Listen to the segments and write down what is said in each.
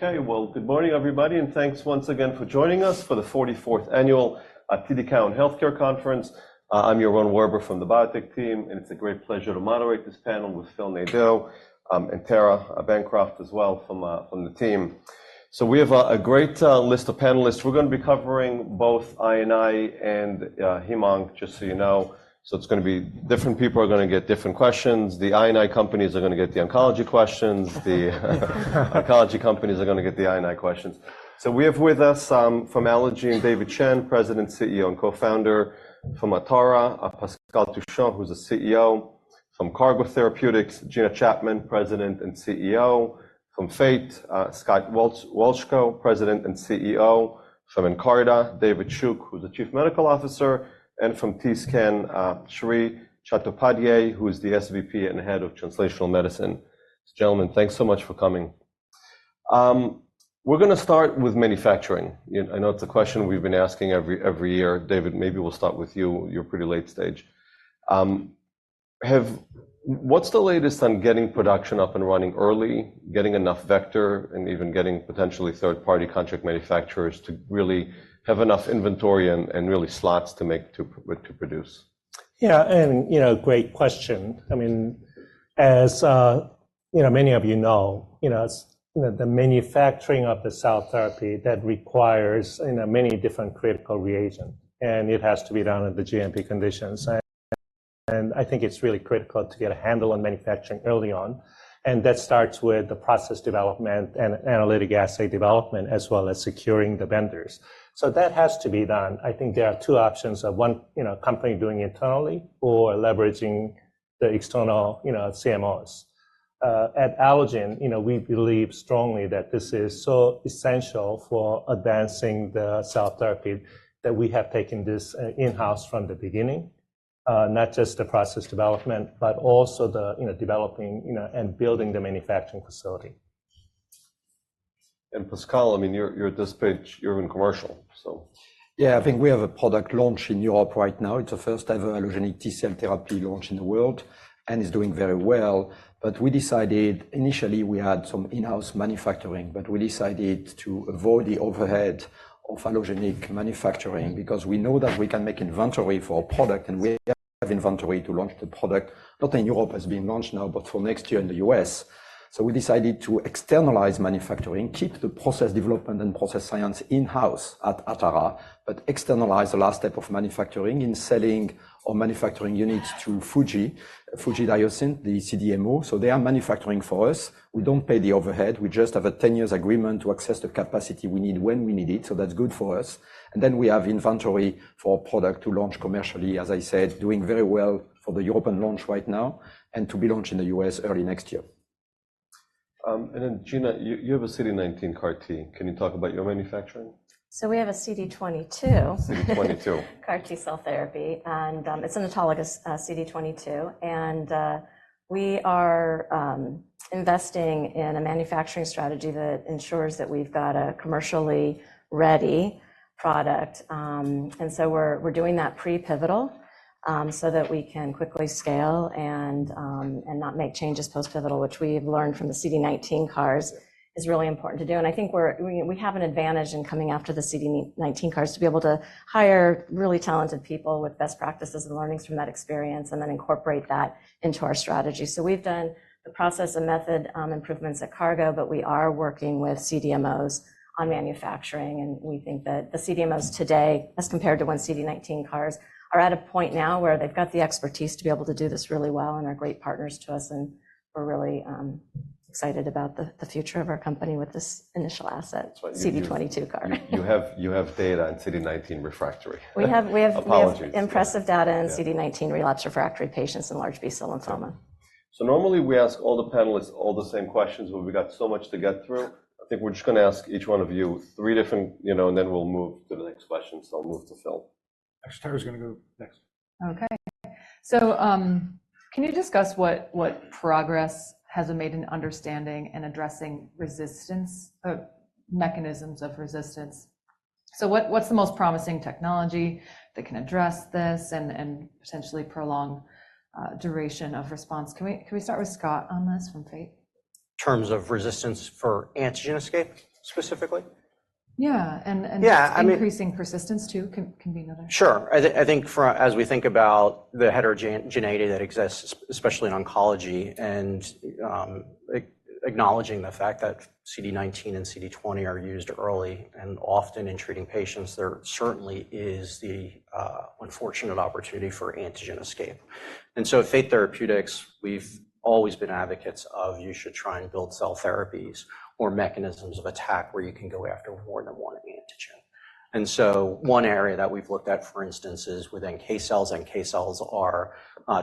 Okay, well, good morning everybody, and thanks once again for joining us for the 44th annual TD Cowen Healthcare Conference. I'm Yaron Werber from the Biotech team, and it's a great pleasure to moderate this panel with Phil Nadeau and Tara Bancroft as well from the team. So we have a great list of panelists. We're going to be covering both I&I and Heme/Onc, just so you know, so it's going to be different people are going to get different questions. The I&I companies are going to get the oncology questions. The oncology companies are going to get the I&I questions. So we have with us from Allogene Therapeutics and David Chang, President, CEO, and Co-Founder, from Atara, Pascal Touchon, who's the CEO, from Cargo Therapeutics, Gina Chapman, President and CEO, from Fate Therapeutics, Scott Wolchko, President and CEO, from Nkarta, David Shook, who's the Chief Medical Officer, and from TScan Therapeutics, Deb Chattopadhyay, who is the SVP and Head of Translational Medicine. Gentlemen, thanks so much for coming. We're going to start with manufacturing. I know it's a question we've been asking every year. David, maybe we'll start with you. You're pretty late stage. What's the latest on getting production up and running early, getting enough vector, and even getting potentially third-party contract manufacturers to really have enough inventory and really slots to produce? Yeah, and great question. I mean, as many of you know, the manufacturing of the cell therapy requires many different critical reagents, and it has to be done under the GMP conditions. I think it's really critical to get a handle on manufacturing early on, and that starts with the process development and analytic assay development, as well as securing the vendors. That has to be done. I think there are two options: one company doing it internally or leveraging the external CMOs. At Allogene, we believe strongly that this is so essential for advancing the cell therapy that we have taken this in-house from the beginning, not just the process development, but also developing and building the manufacturing facility. Pascal, I mean, you're at this stage, you're in commercial, so. Yeah, I think we have a product launch in Europe right now. It's the first-ever allogeneic T-cell therapy launch in the world, and it's doing very well. But we decided initially we had some in-house manufacturing, but we decided to avoid the overhead of allogeneic manufacturing because we know that we can make inventory for our product, and we have inventory to launch the product, not in Europe as being launched now, but for next year in the U.S. So we decided to externalize manufacturing, keep the process development and process science in-house at Atara, but externalize the last step of manufacturing in selling or manufacturing units to Fujifilm Diosynth Biotechnologies, the CDMO. So they are manufacturing for us. We don't pay the overhead. We just have a 10-year agreement to access the capacity we need when we need it, so that's good for us. And then we have inventory for our product to launch commercially, as I said, doing very well for the European launch right now and to be launched in the U.S. early next year. And then, Gina, you have a CD19 CAR-T. Can you talk about your manufacturing? So we have a CD22. CD22. CAR-T cell therapy, and it's an autologous CD22. We are investing in a manufacturing strategy that ensures that we've got a commercially ready product. So we're doing that pre-pivotal so that we can quickly scale and not make changes post-pivotal, which we've learned from the CD19 CARs is really important to do. I think we have an advantage in coming after the CD19 CARs to be able to hire really talented people with best practices and learnings from that experience and then incorporate that into our strategy. We've done the process and method improvements at Cargo, but we are working with CDMOs on manufacturing. We think that the CDMOs today, as compared to when CD19 CARs are at a point now where they've got the expertise to be able to do this really well and are great partners to us. We're really excited about the future of our company with this initial asset, CD22 CAR. You have data in CD19 refractory. We have impressive data in CD19 relapse refractory patients and large B-cell lymphoma. So normally we ask all the panelists all the same questions, but we've got so much to get through. I think we're just going to ask each one of you three different, and then we'll move to the next question. So I'll move to Phil. Actually, Tara's going to go next. Okay. So can you discuss what progress has been made in understanding and addressing mechanisms of resistance? So what's the most promising technology that can address this and potentially prolong duration of response? Can we start with Scott on this from Fate? Terms of resistance for antigen escape specifically? Yeah. Increasing persistence too can be another. Sure. I think as we think about the heterogeneity that exists, especially in oncology, and acknowledging the fact that CD19 and CD20 are used early and often in treating patients, there certainly is the unfortunate opportunity for antigen escape. And so at Fate Therapeutics, we've always been advocates of you should try and build cell therapies or mechanisms of attack where you can go after more than one antigen. And so one area that we've looked at, for instance, is with NK cells. NK cells are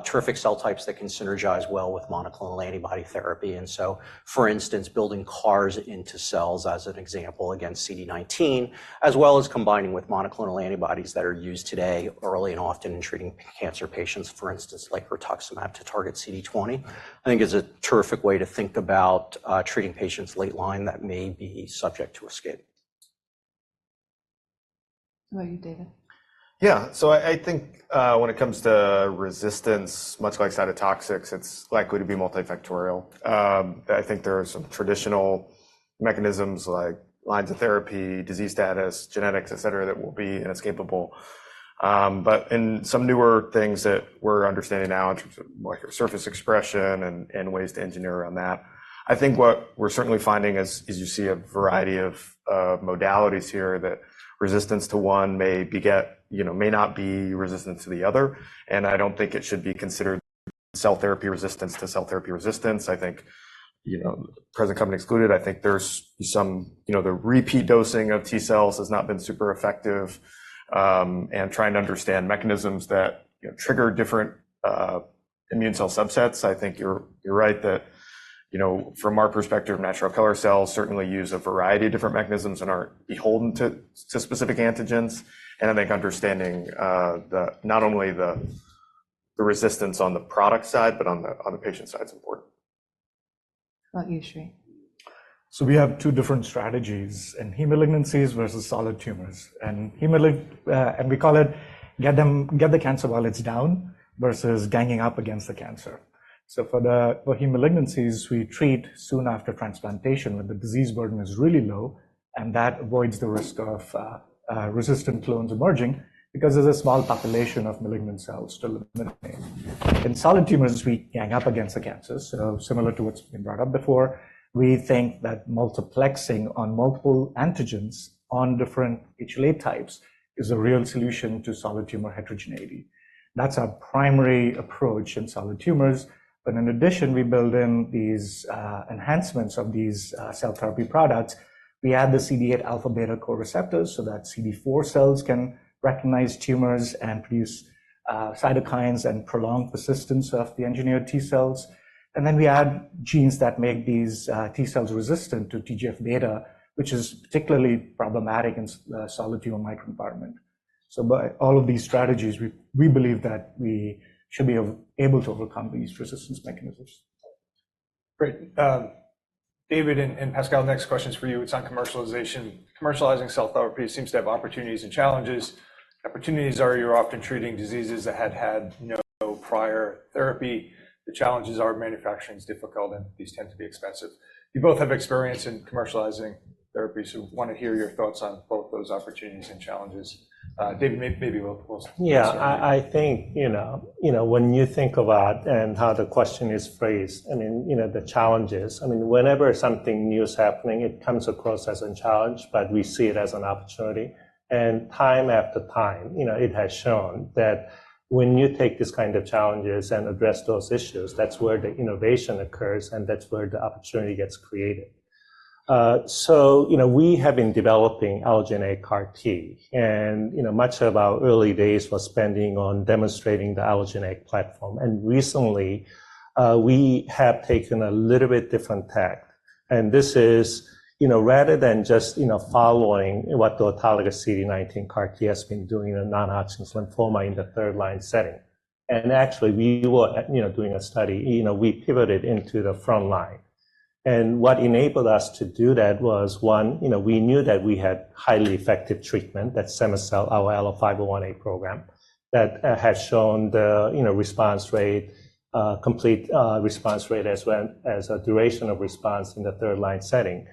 terrific cell types that can synergize well with monoclonal antibody therapy. For instance, building CARs into cells, as an example, against CD19, as well as combining with monoclonal antibodies that are used today early and often in treating cancer patients, for instance, like rituximab to target CD20, I think is a terrific way to think about treating patients late line that may be subject to escape. How about you, David? Yeah. So I think when it comes to resistance, much like cytotoxics, it's likely to be multifactorial. I think there are some traditional mechanisms like lines of therapy, disease status, genetics, etc., that will be inescapable. But in some newer things that we're understanding now in terms of surface expression and ways to engineer around that, I think what we're certainly finding is you see a variety of modalities here that resistance to one may not be resistance to the other. And I don't think it should be considered cell therapy resistance to cell therapy resistance. I think present company excluded. I think there's some the repeat dosing of T cells has not been super effective. Trying to understand mechanisms that trigger different immune cell subsets, I think you're right that from our perspective, natural killer cells certainly use a variety of different mechanisms and aren't beholden to specific antigens. I think understanding not only the resistance on the product side, but on the patient side is important. How about you, Sri? So we have two different strategies in hematologic malignancies versus solid tumors. We call it get the cancer load down versus ganging up against the cancer. So for hematologic malignancies, we treat soon after transplantation when the disease burden is really low, and that avoids the risk of resistant clones emerging because there's a small population of malignant cells to eliminate. In solid tumors, we gang up against the cancers. So similar to what's been brought up before, we think that multiplexing on multiple antigens on different HLA types is a real solution to solid tumor heterogeneity. That's our primary approach in solid tumors. But in addition, we build in these enhancements of these cell therapy products. We add the CD8 alpha beta co-receptors so that CD4 cells can recognize tumors and produce cytokines and prolong persistence of the engineered T cells. And then we add genes that make these T cells resistant to TGF-beta, which is particularly problematic in solid tumor microenvironment. So by all of these strategies, we believe that we should be able to overcome these resistance mechanisms. Great. David and Pascal, next questions for you. It's on commercialization. Commercializing cell therapy seems to have opportunities and challenges. Opportunities are you're often treating diseases that had had no prior therapy. The challenges are manufacturing is difficult, and these tend to be expensive. You both have experience in commercializing therapy, so we want to hear your thoughts on both those opportunities and challenges. David, maybe we'll. Yeah. I think when you think about and how the question is phrased, I mean, the challenges, I mean, whenever something new is happening, it comes across as a challenge, but we see it as an opportunity. And time after time, it has shown that when you take this kind of challenges and address those issues, that's where the innovation occurs and that's where the opportunity gets created. So we have been developing allogeneic CAR-T, and much of our early days was spending on demonstrating the allogeneic platform. And recently, we have taken a little bit different tack. And this is rather than just following what the autologous CD19 CAR-T has been doing in a non-Hodgkin lymphoma in the third-line setting. And actually, we were doing a study. We pivoted into the front line. What enabled us to do that was, one, we knew that we had highly effective treatment, that cema-cel, our ALLO-501A program, that has shown the response rate, complete response rate, as well as a duration of response in the third-line setting.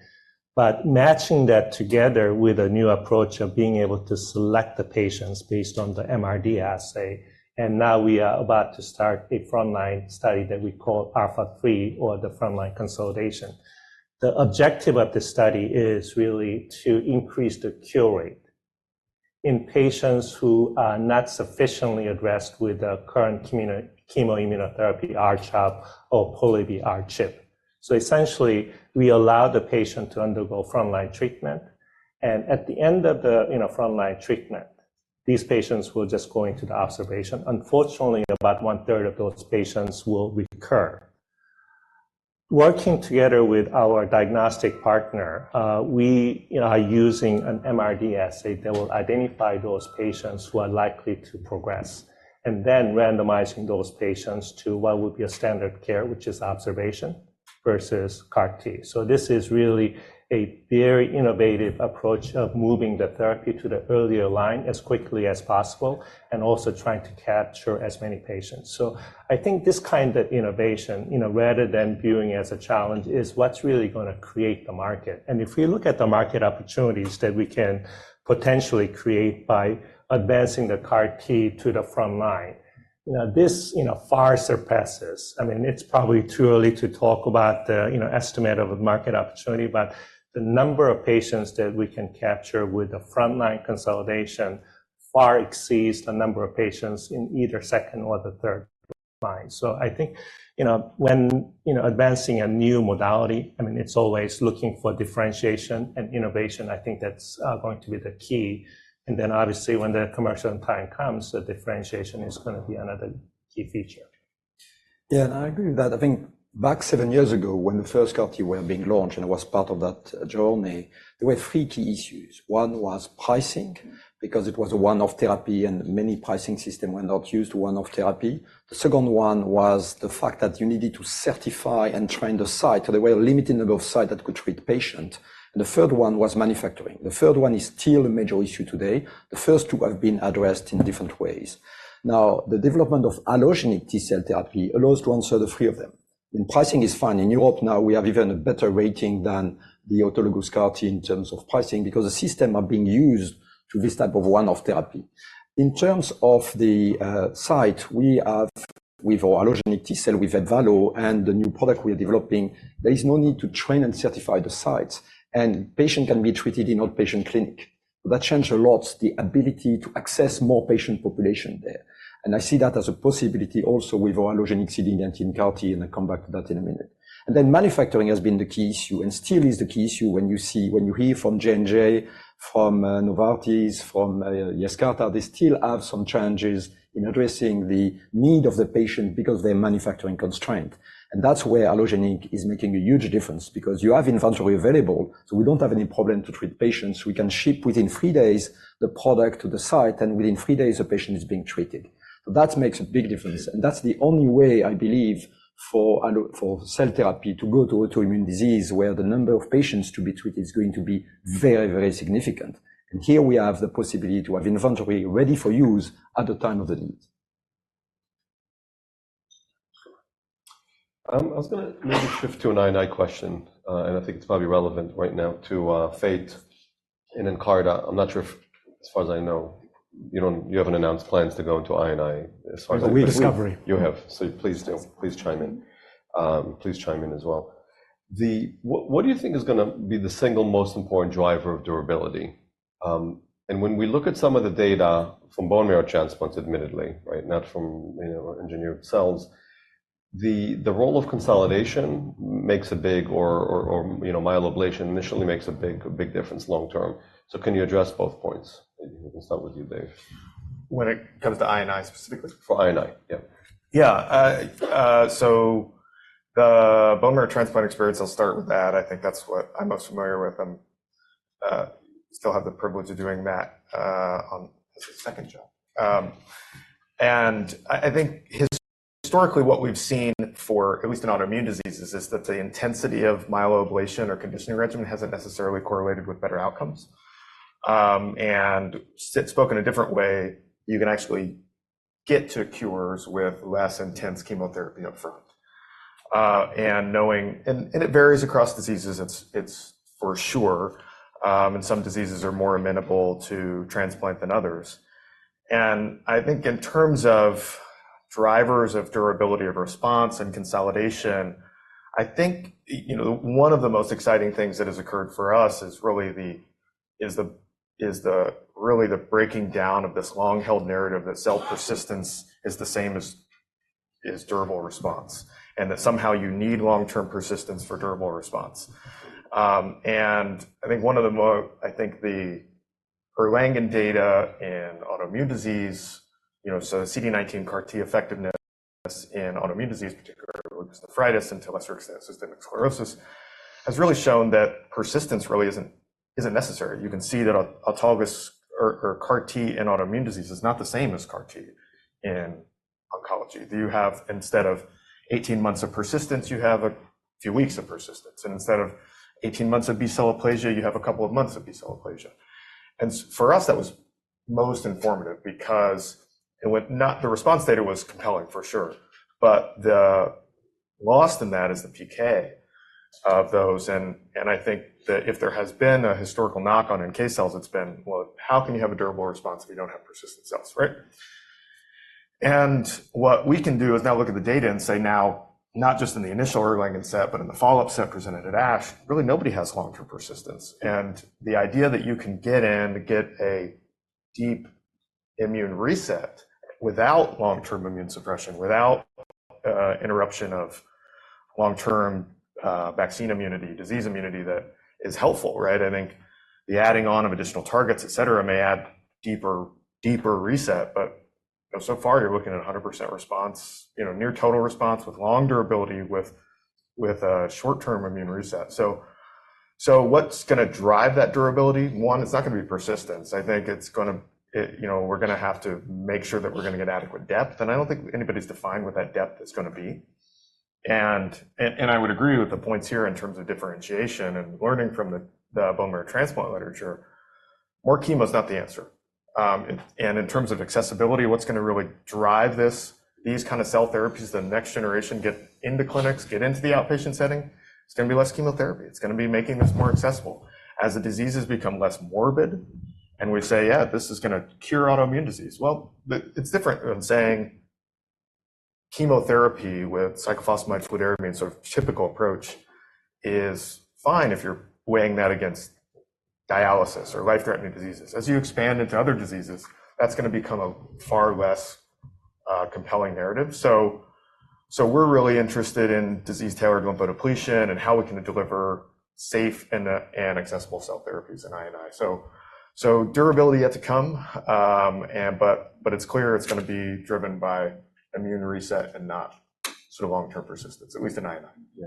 Matching that together with a new approach of being able to select the patients based on the MRD assay. Now we are about to start a front-line study that we call ALPHA3 or the front-line consolidation. The objective of the study is really to increase the cure rate in patients who are not sufficiently addressed with the current chemoimmunotherapy, R-CHOP, or Pola-R-CHP. Essentially, we allow the patient to undergo front-line treatment. At the end of the front-line treatment, these patients will just go into the observation. Unfortunately, about 1/3 of those patients will recur. Working together with our diagnostic partner, we are using an MRD assay that will identify those patients who are likely to progress and then randomizing those patients to what would be a standard care, which is observation versus CAR-T. So this is really a very innovative approach of moving the therapy to the earlier line as quickly as possible and also trying to capture as many patients. So I think this kind of innovation, rather than viewing as a challenge, is what's really going to create the market. And if we look at the market opportunities that we can potentially create by advancing the CAR-T to the front line, this far surpasses. I mean, it's probably too early to talk about the estimate of a market opportunity, but the number of patients that we can capture with the front-line consolidation far exceeds the number of patients in either second or the third line. So I think when advancing a new modality, I mean, it's always looking for differentiation and innovation. I think that's going to be the key. And then obviously, when the commercial time comes, the differentiation is going to be another key feature. Yeah. And I agree with that. I think back seven years ago, when the first CAR-T were being launched and I was part of that journey, there were three key issues. One was pricing because it was a one-off therapy and many pricing systems were not used to one-off therapy. The second one was the fact that you needed to certify and train the site. So there were a limited number of sites that could treat patients. And the third one was manufacturing. The third one is still a major issue today. The first two have been addressed in different ways. Now, the development of allogeneic T-cell therapy allows to answer the three of them. Pricing is fine. In Europe now, we have even a better rating than the autologous CAR-T in terms of pricing because the systems are being used to this type of one-off therapy. In terms of the site, we have with our allogeneic T-cell, with Ebvalo and the new product we are developing, there is no need to train and certify the sites. Patients can be treated in outpatient clinic. That changed a lot the ability to access more patient population there. I see that as a possibility also with our allogeneic CD19 CAR-T, and I'll come back to that in a minute. Manufacturing has been the key issue and still is the key issue when you hear from J&J, from Novartis, from Yescarta. They still have some challenges in addressing the need of the patient because of their manufacturing constraint. That's where allogeneic is making a huge difference because you have inventory available. So we don't have any problem to treat patients. We can ship within 3 days the product to the site, and within 3 days, the patient is being treated. So that makes a big difference. And that's the only way, I believe, for cell therapy to go to autoimmune disease where the number of patients to be treated is going to be very, very significant. And here we have the possibility to have inventory ready for use at the time of the need. I was going to maybe shift to an I&I question, and I think it's probably relevant right now to Fate and Nkarta. I'm not sure if, as far as I know, you haven't announced plans to go into I&I as far as. No, we discovered. You have. So please chime in. Please chime in as well. What do you think is going to be the single most important driver of durability? And when we look at some of the data from bone marrow transplants, admittedly, right, not from engineered cells, the role of consolidation makes a big or myeloablation initially makes a big difference long term. So can you address both points? We can start with you, Dave. When it comes to I&I specifically? For I&I, yeah. Yeah. So the bone marrow transplant experience, I'll start with that. I think that's what I'm most familiar with. I still have the privilege of doing that as a second job. And I think historically, what we've seen for at least in autoimmune diseases is that the intensity of myeloablation or conditioning regimen hasn't necessarily correlated with better outcomes. And, spoken in a different way, you can actually get to cures with less intense chemotherapy up front. And it varies across diseases, it's for sure. And some diseases are more amenable to transplant than others. And I think in terms of drivers of durability of response and consolidation, I think one of the most exciting things that has occurred for us is really the breaking down of this long-held narrative that cell persistence is the same as durable response and that somehow you need long-term persistence for durable response. I think the Erlangen data in autoimmune disease, so the CD19 CAR-T effectiveness in autoimmune disease, particularly lupus nephritis, and to lesser extent, systemic sclerosis, has really shown that persistence really isn't necessary. You can see that autologous CAR-T in autoimmune disease is not the same as CAR-T in oncology. Instead of 18 months of persistence, you have a few weeks of persistence. And instead of 18 months of B-cell aplasia, you have a couple of months of B-cell aplasia. And for us, that was most informative because the response data was compelling, for sure. But the lost in that is the PK of those. And I think that if there has been a historical knock-on in NK cells, it's been, well, how can you have a durable response if you don't have persistent cells, right? What we can do is now look at the data and say now, not just in the initial Erlangen set, but in the follow-up set presented at ASH, really nobody has long-term persistence. And the idea that you can get in to get a deep immune reset without long-term immune suppression, without interruption of long-term vaccine immunity, disease immunity that is helpful, right? I think the adding on of additional targets, etc., may add deeper reset, but so far you're looking at 100% response, near total response with long durability with a short-term immune reset. So what's going to drive that durability? One, it's not going to be persistence. I think it's going to we're going to have to make sure that we're going to get adequate depth. And I don't think anybody's defined what that depth is going to be. I would agree with the points here in terms of differentiation and learning from the bone marrow transplant literature. More chemo is not the answer. In terms of accessibility, what's going to really drive these kinds of cell therapies? The next generation get into clinics, get into the outpatient setting. It's going to be less chemotherapy. It's going to be making this more accessible. As the diseases become less morbid and we say, "Yeah, this is going to cure autoimmune disease," well, it's different than saying chemotherapy with cyclophosphamide and fludarabine sort of typical approach is fine if you're weighing that against dialysis or life-threatening diseases. As you expand into other diseases, that's going to become a far less compelling narrative. We're really interested in disease-tailored lymphodepletion and how we can deliver safe and accessible cell therapies in I&I. So durability yet to come, but it's clear it's going to be driven by immune reset and not sort of long-term persistence, at least in I&I. Yeah.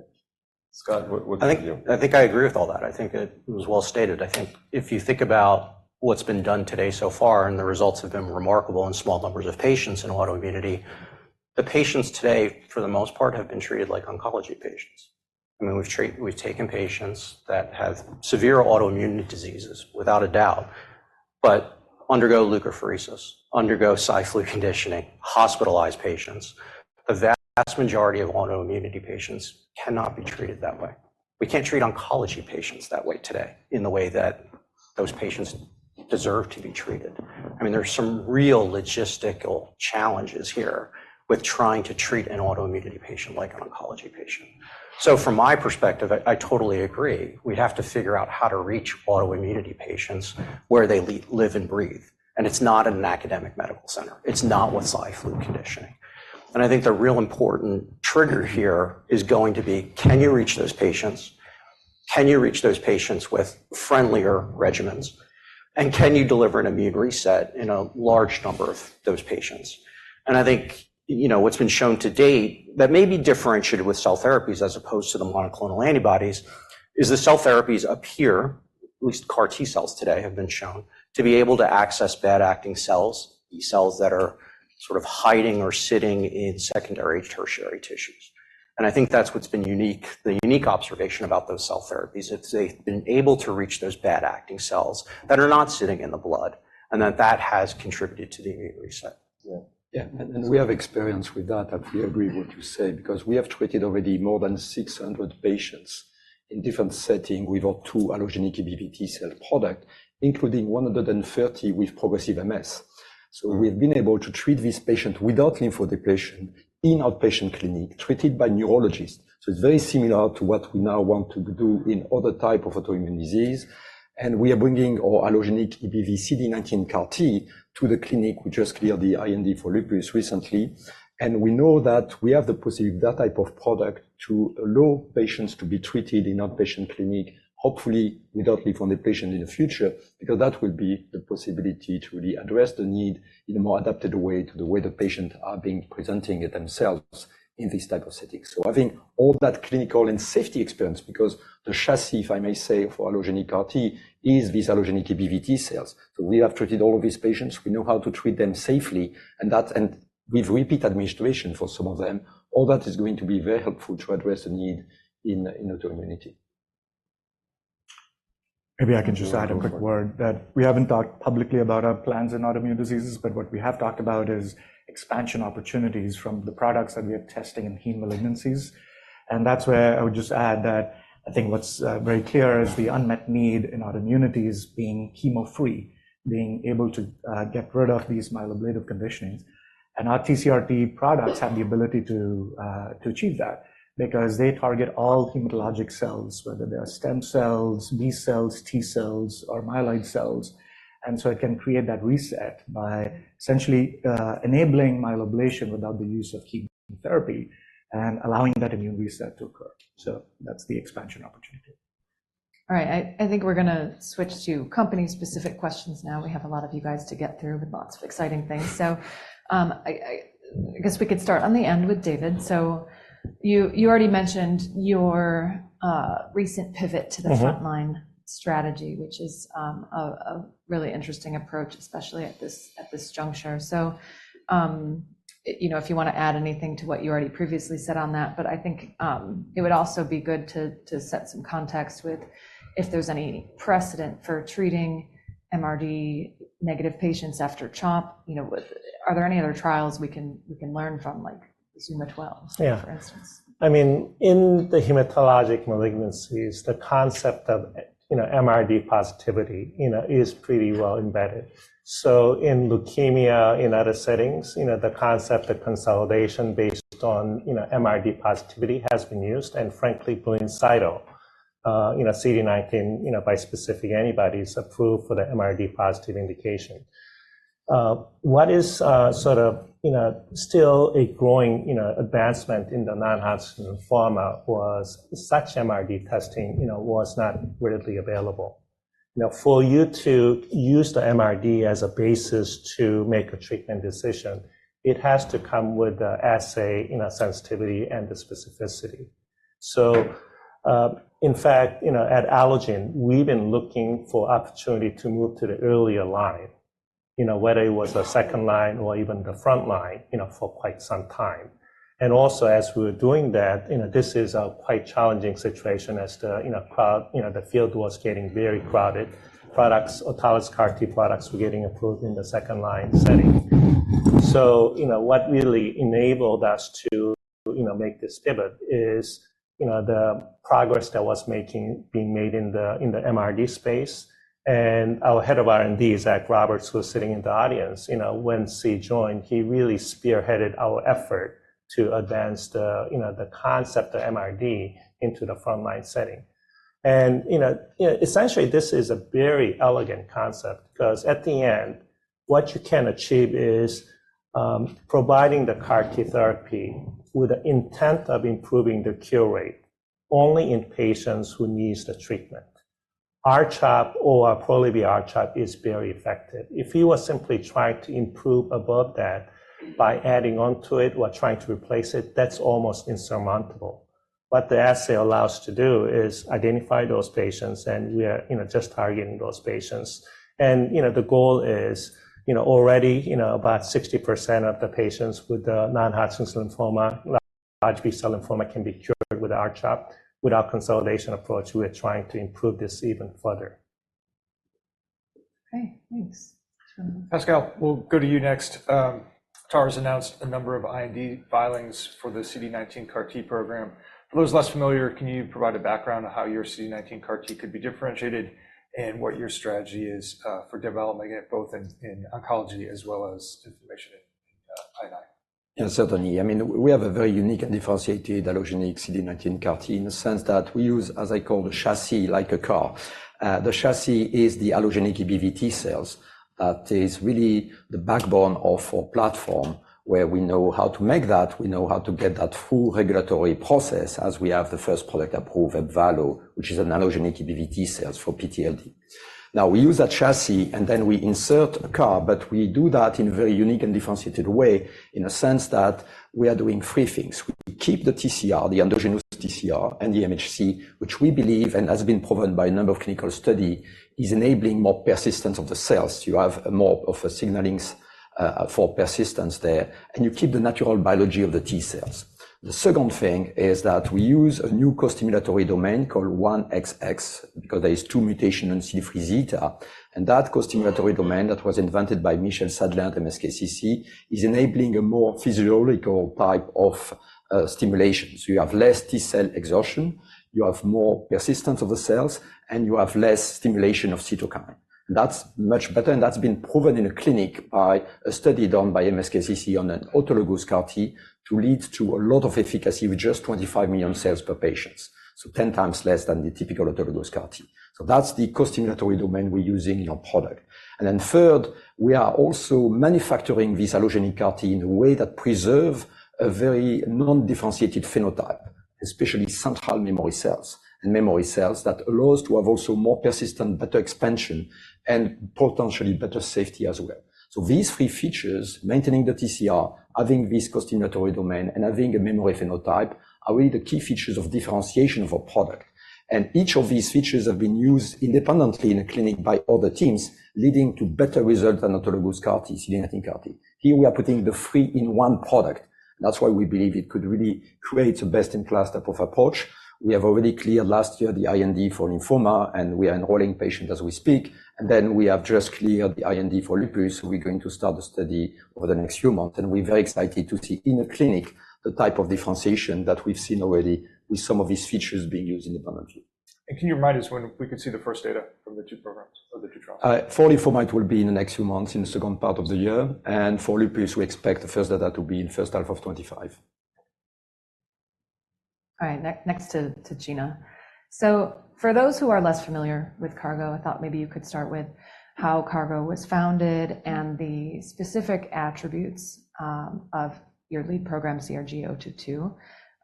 Scott, what do you think? I think I agree with all that. I think it was well-stated. I think if you think about what's been done today so far and the results have been remarkable in small numbers of patients in autoimmunity, the patients today, for the most part, have been treated like oncology patients. I mean, we've taken patients that have severe autoimmune diseases, without a doubt, but undergo leukapheresis, undergo Cy/Flu conditioning, hospitalize patients. The vast majority of autoimmunity patients cannot be treated that way. We can't treat oncology patients that way today in the way that those patients deserve to be treated. I mean, there's some real logistical challenges here with trying to treat an autoimmune patient like an oncology patient. So from my perspective, I totally agree. We have to figure out how to reach autoimmune patients where they live and breathe. It's not an academic medical center. It's not with Cy/Flu conditioning. I think the real important trigger here is going to be, can you reach those patients? Can you reach those patients with friendlier regimens? And can you deliver an immune reset in a large number of those patients? I think what's been shown to date that may be differentiated with cell therapies as opposed to the monoclonal antibodies is the cell therapies up here, at least CAR-T cells today have been shown to be able to access bad-acting cells, B cells that are sort of hiding or sitting in secondary tertiary tissues. And I think that's what's been unique, the unique observation about those cell therapies, is they've been able to reach those bad-acting cells that are not sitting in the blood and that that has contributed to the immune reset. Yeah. We have experience with that. I fully agree with what you say because we have treated already more than 600 patients in different settings with our two allogeneic EBV-T cell product, including 130 with progressive MS. We've been able to treat these patients without lymphodepletion in outpatient clinic, treated by neurologists. It's very similar to what we now want to do in other types of autoimmune disease. We are bringing our allogeneic EBV-CD19 CAR-T to the clinic. We just cleared the IND for lupus recently. We know that we have the possibility of that type of product to allow patients to be treated in outpatient clinic, hopefully without lymphodepletion in the future because that will be the possibility to really address the need in a more adapted way to the way the patients are being presenting themselves in these types of settings. Having all that clinical and safety experience because the chassis, if I may say, for allogeneic CAR-T is these allogeneic EBV-T cells. We have treated all of these patients. We know how to treat them safely. And with repeat administration for some of them, all that is going to be very helpful to address the need in autoimmunity. Maybe I can just add a quick word that we haven't talked publicly about our plans in autoimmune diseases, but what we have talked about is expansion opportunities from the products that we are testing in heme malignancies. And that's where I would just add that I think what's very clear is the unmet need in autoimmunities being chemo-free, being able to get rid of these myeloablative conditionings. And our TCRT products have the ability to achieve that because they target all hematologic cells, whether they are stem cells, B cells, T cells, or myeloid cells. And so it can create that reset by essentially enabling myeloablation without the use of chemotherapy and allowing that immune reset to occur. So that's the expansion opportunity. All right. I think we're going to switch to company-specific questions now. We have a lot of you guys to get through with lots of exciting things. So I guess we could start on the end with David. So you already mentioned your recent pivot to the frontline strategy, which is a really interesting approach, especially at this juncture. So if you want to add anything to what you already previously said on that, but I think it would also be good to set some context with if there's any precedent for treating MRD-negative patients after CHOP. Are there any other trials we can learn from, like ZUMA-12, for instance? Yeah. I mean, in the hematologic malignancies, the concept of MRD positivity is pretty well embedded. So in leukemia, in other settings, the concept of consolidation based on MRD positivity has been used. And frankly, Blincyto, CD19 bispecific antibodies, are proof for the MRD positive indication. What is sort of still a growing advancement in the non-Hodgkin format was such MRD testing was not readily available. Now, for you to use the MRD as a basis to make a treatment decision, it has to come with the assay sensitivity and the specificity. So in fact, at Allogene, we've been looking for opportunity to move to the earlier line, whether it was a second line or even the front line for quite some time. And also, as we were doing that, this is a quite challenging situation as the field was getting very crowded. Autologous CAR-T products were getting approved in the second line setting. So what really enabled us to make this pivot is the progress that was being made in the MRD space. Our head of R&D, Zach Roberts, who was sitting in the audience when C joined, he really spearheaded our effort to advance the concept of MRD into the frontline setting. Essentially, this is a very elegant concept because at the end, what you can achieve is providing the CAR-T therapy with the intent of improving the cure rate only in patients who need the treatment. R-CHOP or Pola-R-CHP is very effective. If he was simply trying to improve above that by adding onto it or trying to replace it, that's almost insurmountable. What the assay allows us to do is identify those patients, and we are just targeting those patients. The goal is already about 60% of the patients with the non-Hodgkin lymphoma, large B-cell lymphoma, can be cured with R-CHOP. With our consolidation approach, we are trying to improve this even further. Okay. Thanks. Pascal, we'll go to you next. Atara has announced a number of IND filings for the CD19 CAR-T program. For those less familiar, can you provide a background on how your CD19 CAR-T could be differentiated and what your strategy is for development, both in oncology as well as in I&I? Yeah, certainly. I mean, we have a very unique and differentiated allogeneic CD19 CAR-T in the sense that we use, as I call, the chassis like a car. The chassis is the allogeneic EBV-T cells. That is really the backbone of our platform where we know how to make that. We know how to get that full regulatory process as we have the first product approved, Ebvalo, which is an allogeneic EBV-T cells for PTLD. Now, we use that chassis, and then we insert a car. But we do that in a very unique and differentiated way in a sense that we are doing three things. We keep the TCR, the endogenous TCR, and the MHC, which we believe and has been proven by a number of clinical studies is enabling more persistence of the cells. You have more of a signaling for persistence there, and you keep the natural biology of the T-cells. The second thing is that we use a new co-stimulatory domain called 1XX because there are two mutations in CD3 zeta. And that co-stimulatory domain that was invented by Michel Sadelain, MSKCC, is enabling a more physiological type of stimulation. So you have less T-cell exhaustion. You have more persistence of the cells, and you have less stimulation of cytokine. And that's much better. And that's been proven in a clinic by a study done by MSKCC on an autologous CAR-T to lead to a lot of efficacy with just 25 million cells per patient, so 10x less than the typical autologous CAR-T. So that's the co-stimulatory domain we're using in our product. And then third, we are also manufacturing this allogeneic CAR-T in a way that preserves a very non-differentiated phenotype, especially central memory cells and memory cells that allows to have also more persistent, better expansion, and potentially better safety as well. So these three features, maintaining the TCR, having this co-stimulatory domain, and having a memory phenotype, are really the key features of differentiation of our product. And each of these features have been used independently in a clinic by other teams, leading to better results than autologous CAR-T, CD19 CAR-T. Here, we are putting the three in one product. That's why we believe it could really create a best-in-class type of approach. We have already cleared last year the IND for lymphoma, and we are enrolling patients as we speak. And then we have just cleared the IND for lupus. We're going to start the study over the next few months. We're very excited to see in a clinic the type of differentiation that we've seen already with some of these features being used independently. Can you remind us when we could see the first data from the two programs or the two trials? For lymphoma, it will be in the next few months, in the second part of the year. And for lupus, we expect the first data to be in first half of 2025. All right. Next to Gina. So for those who are less familiar with Cargo, I thought maybe you could start with how Cargo was founded and the specific attributes of your lead program, CRG-022,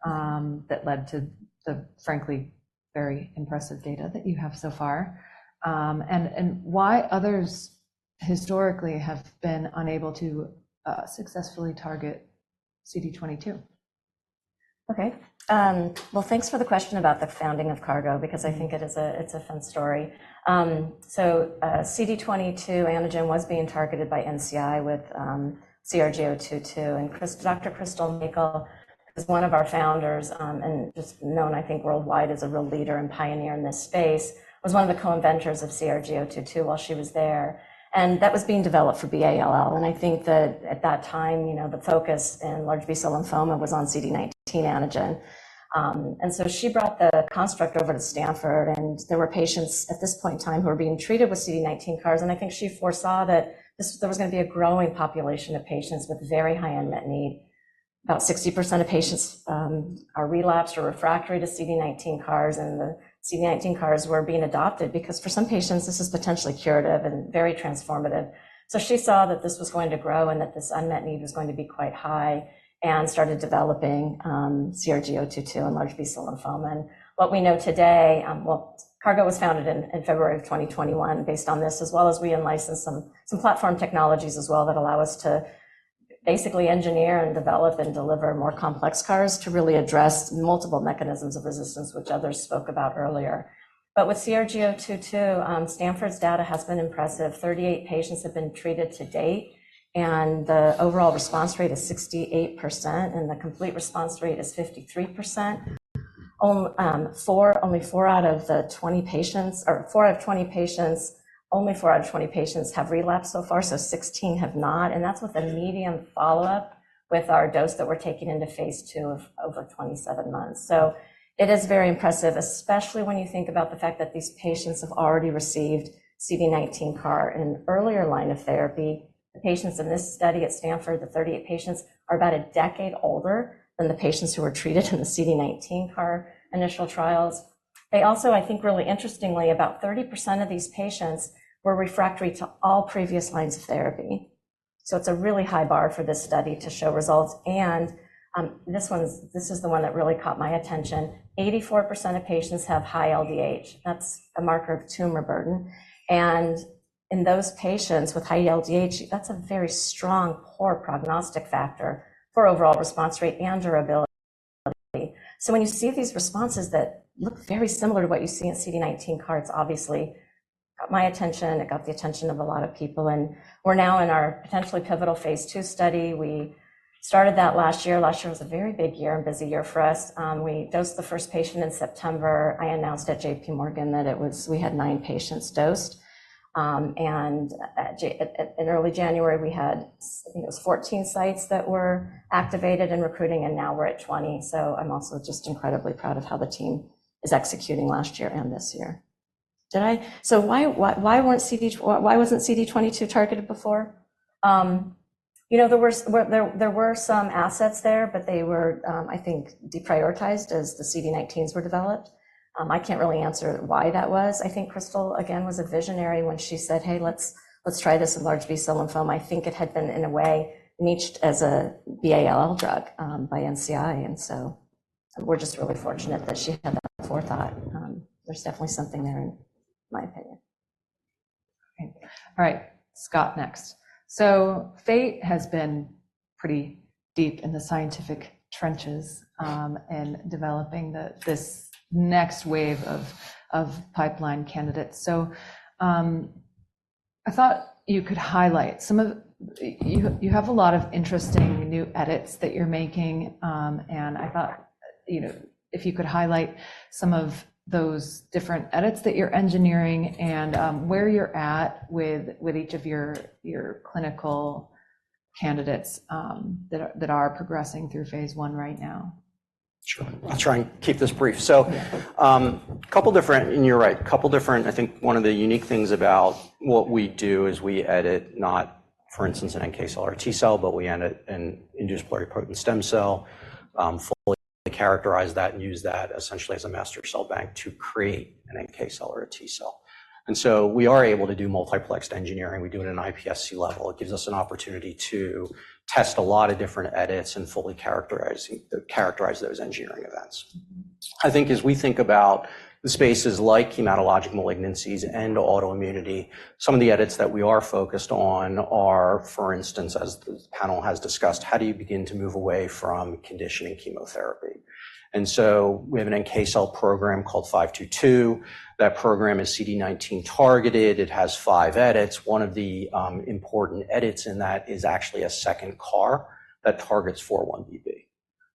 that led to the frankly very impressive data that you have so far. And why others historically have been unable to successfully target CD22? Okay. Well, thanks for the question about the founding of Cargo because I think it's a fun story. So CD22 antigen was being targeted by NCI with CRG-022. And Dr. Crystal Mackall is one of our founders and just known, I think, worldwide as a real leader and pioneer in this space, was one of the co-inventors of CRG-022 while she was there. And that was being developed for B-ALL. And I think that at that time, the focus in large B-cell lymphoma was on CD19 antigen. And she brought the construct over to Stanford. And there were patients at this point in time who were being treated with CD19 CARs. And I think she foresaw that there was going to be a growing population of patients with very high unmet need. About 60% of patients are relapsed or refractory to CD19 CARs. The CD19 CARs were being adopted because for some patients, this is potentially curative and very transformative. So she saw that this was going to grow and that this unmet need was going to be quite high and started developing CRG-022 in large B-cell lymphoma. And what we know today, Cargo was founded in February of 2021 based on this, as well as we in-license some platform technologies as well that allow us to basically engineer and develop and deliver more complex CARs to really address multiple mechanisms of resistance, which others spoke about earlier. But with CRG-022, Stanford's data has been impressive. 38 patients have been treated to date. And the overall response rate is 68%. And the complete response rate is 53%. Only 4 out of the 20 patients have relapsed so far, so 16 have not. That's with a median follow-up with our dose that we're taking into phase II of over 27 months. So it is very impressive, especially when you think about the fact that these patients have already received CD19 CAR in earlier line of therapy. The patients in this study at Stanford, the 38 patients, are about a decade older than the patients who were treated in the CD19 CAR initial trials. They also, I think, really interestingly, about 30% of these patients were refractory to all previous lines of therapy. So it's a really high bar for this study to show results. And this is the one that really caught my attention. 84% of patients have high LDH. That's a marker of tumor burden. And in those patients with high LDH, that's a very strong poor prognostic factor for overall response rate and durability. So when you see these responses that look very similar to what you see in CD19 CAR, it's obviously got my attention. It got the attention of a lot of people. And we're now in our potentially pivotal phase II study. We started that last year. Last year was a very big year and busy year for us. We dosed the first patient in September. I announced at JPMorgan that we had 9 patients dosed. And in early January, we had, I think it was 14 sites that were activated and recruiting. And now we're at 20. So I'm also just incredibly proud of how the team is executing last year and this year. So why wasn't CD22 targeted before? There were some assets there, but they were, I think, deprioritized as the CD19s were developed. I can't really answer why that was. I think Crystal, again, was a visionary when she said, "Hey, let's try this in large B-cell lymphoma." I think it had been, in a way, niched as a B-ALL drug by NCI. And so we're just really fortunate that she had that forethought. There's definitely something there, in my opinion. All right. Scott, next. So Fate has been pretty deep in the scientific trenches and developing this next wave of pipeline candidates. So I thought you could highlight some of you have a lot of interesting new edits that you're making. And I thought if you could highlight some of those different edits that you're engineering and where you're at with each of your clinical candidates that are progressing through phase I right now. Sure. I'll try and keep this brief. So a couple different, and you're right. I think one of the unique things about what we do is we edit, not for instance, an NK cell or a T cell, but we edit an induced pluripotent stem cell, fully characterize that, and use that essentially as a master cell bank to create an NK cell or a T cell. And so we are able to do multiplexed engineering. We do it at an iPSC level. It gives us an opportunity to test a lot of different edits and fully characterize those engineering events. I think as we think about the spaces like hematologic malignancies and autoimmunity, some of the edits that we are focused on are, for instance, as the panel has discussed, how do you begin to move away from conditioning chemotherapy? And so we have an NK cell program called 522. That program is CD19 targeted. It has five edits. One of the important edits in that is actually a second CAR that targets 4-1BB.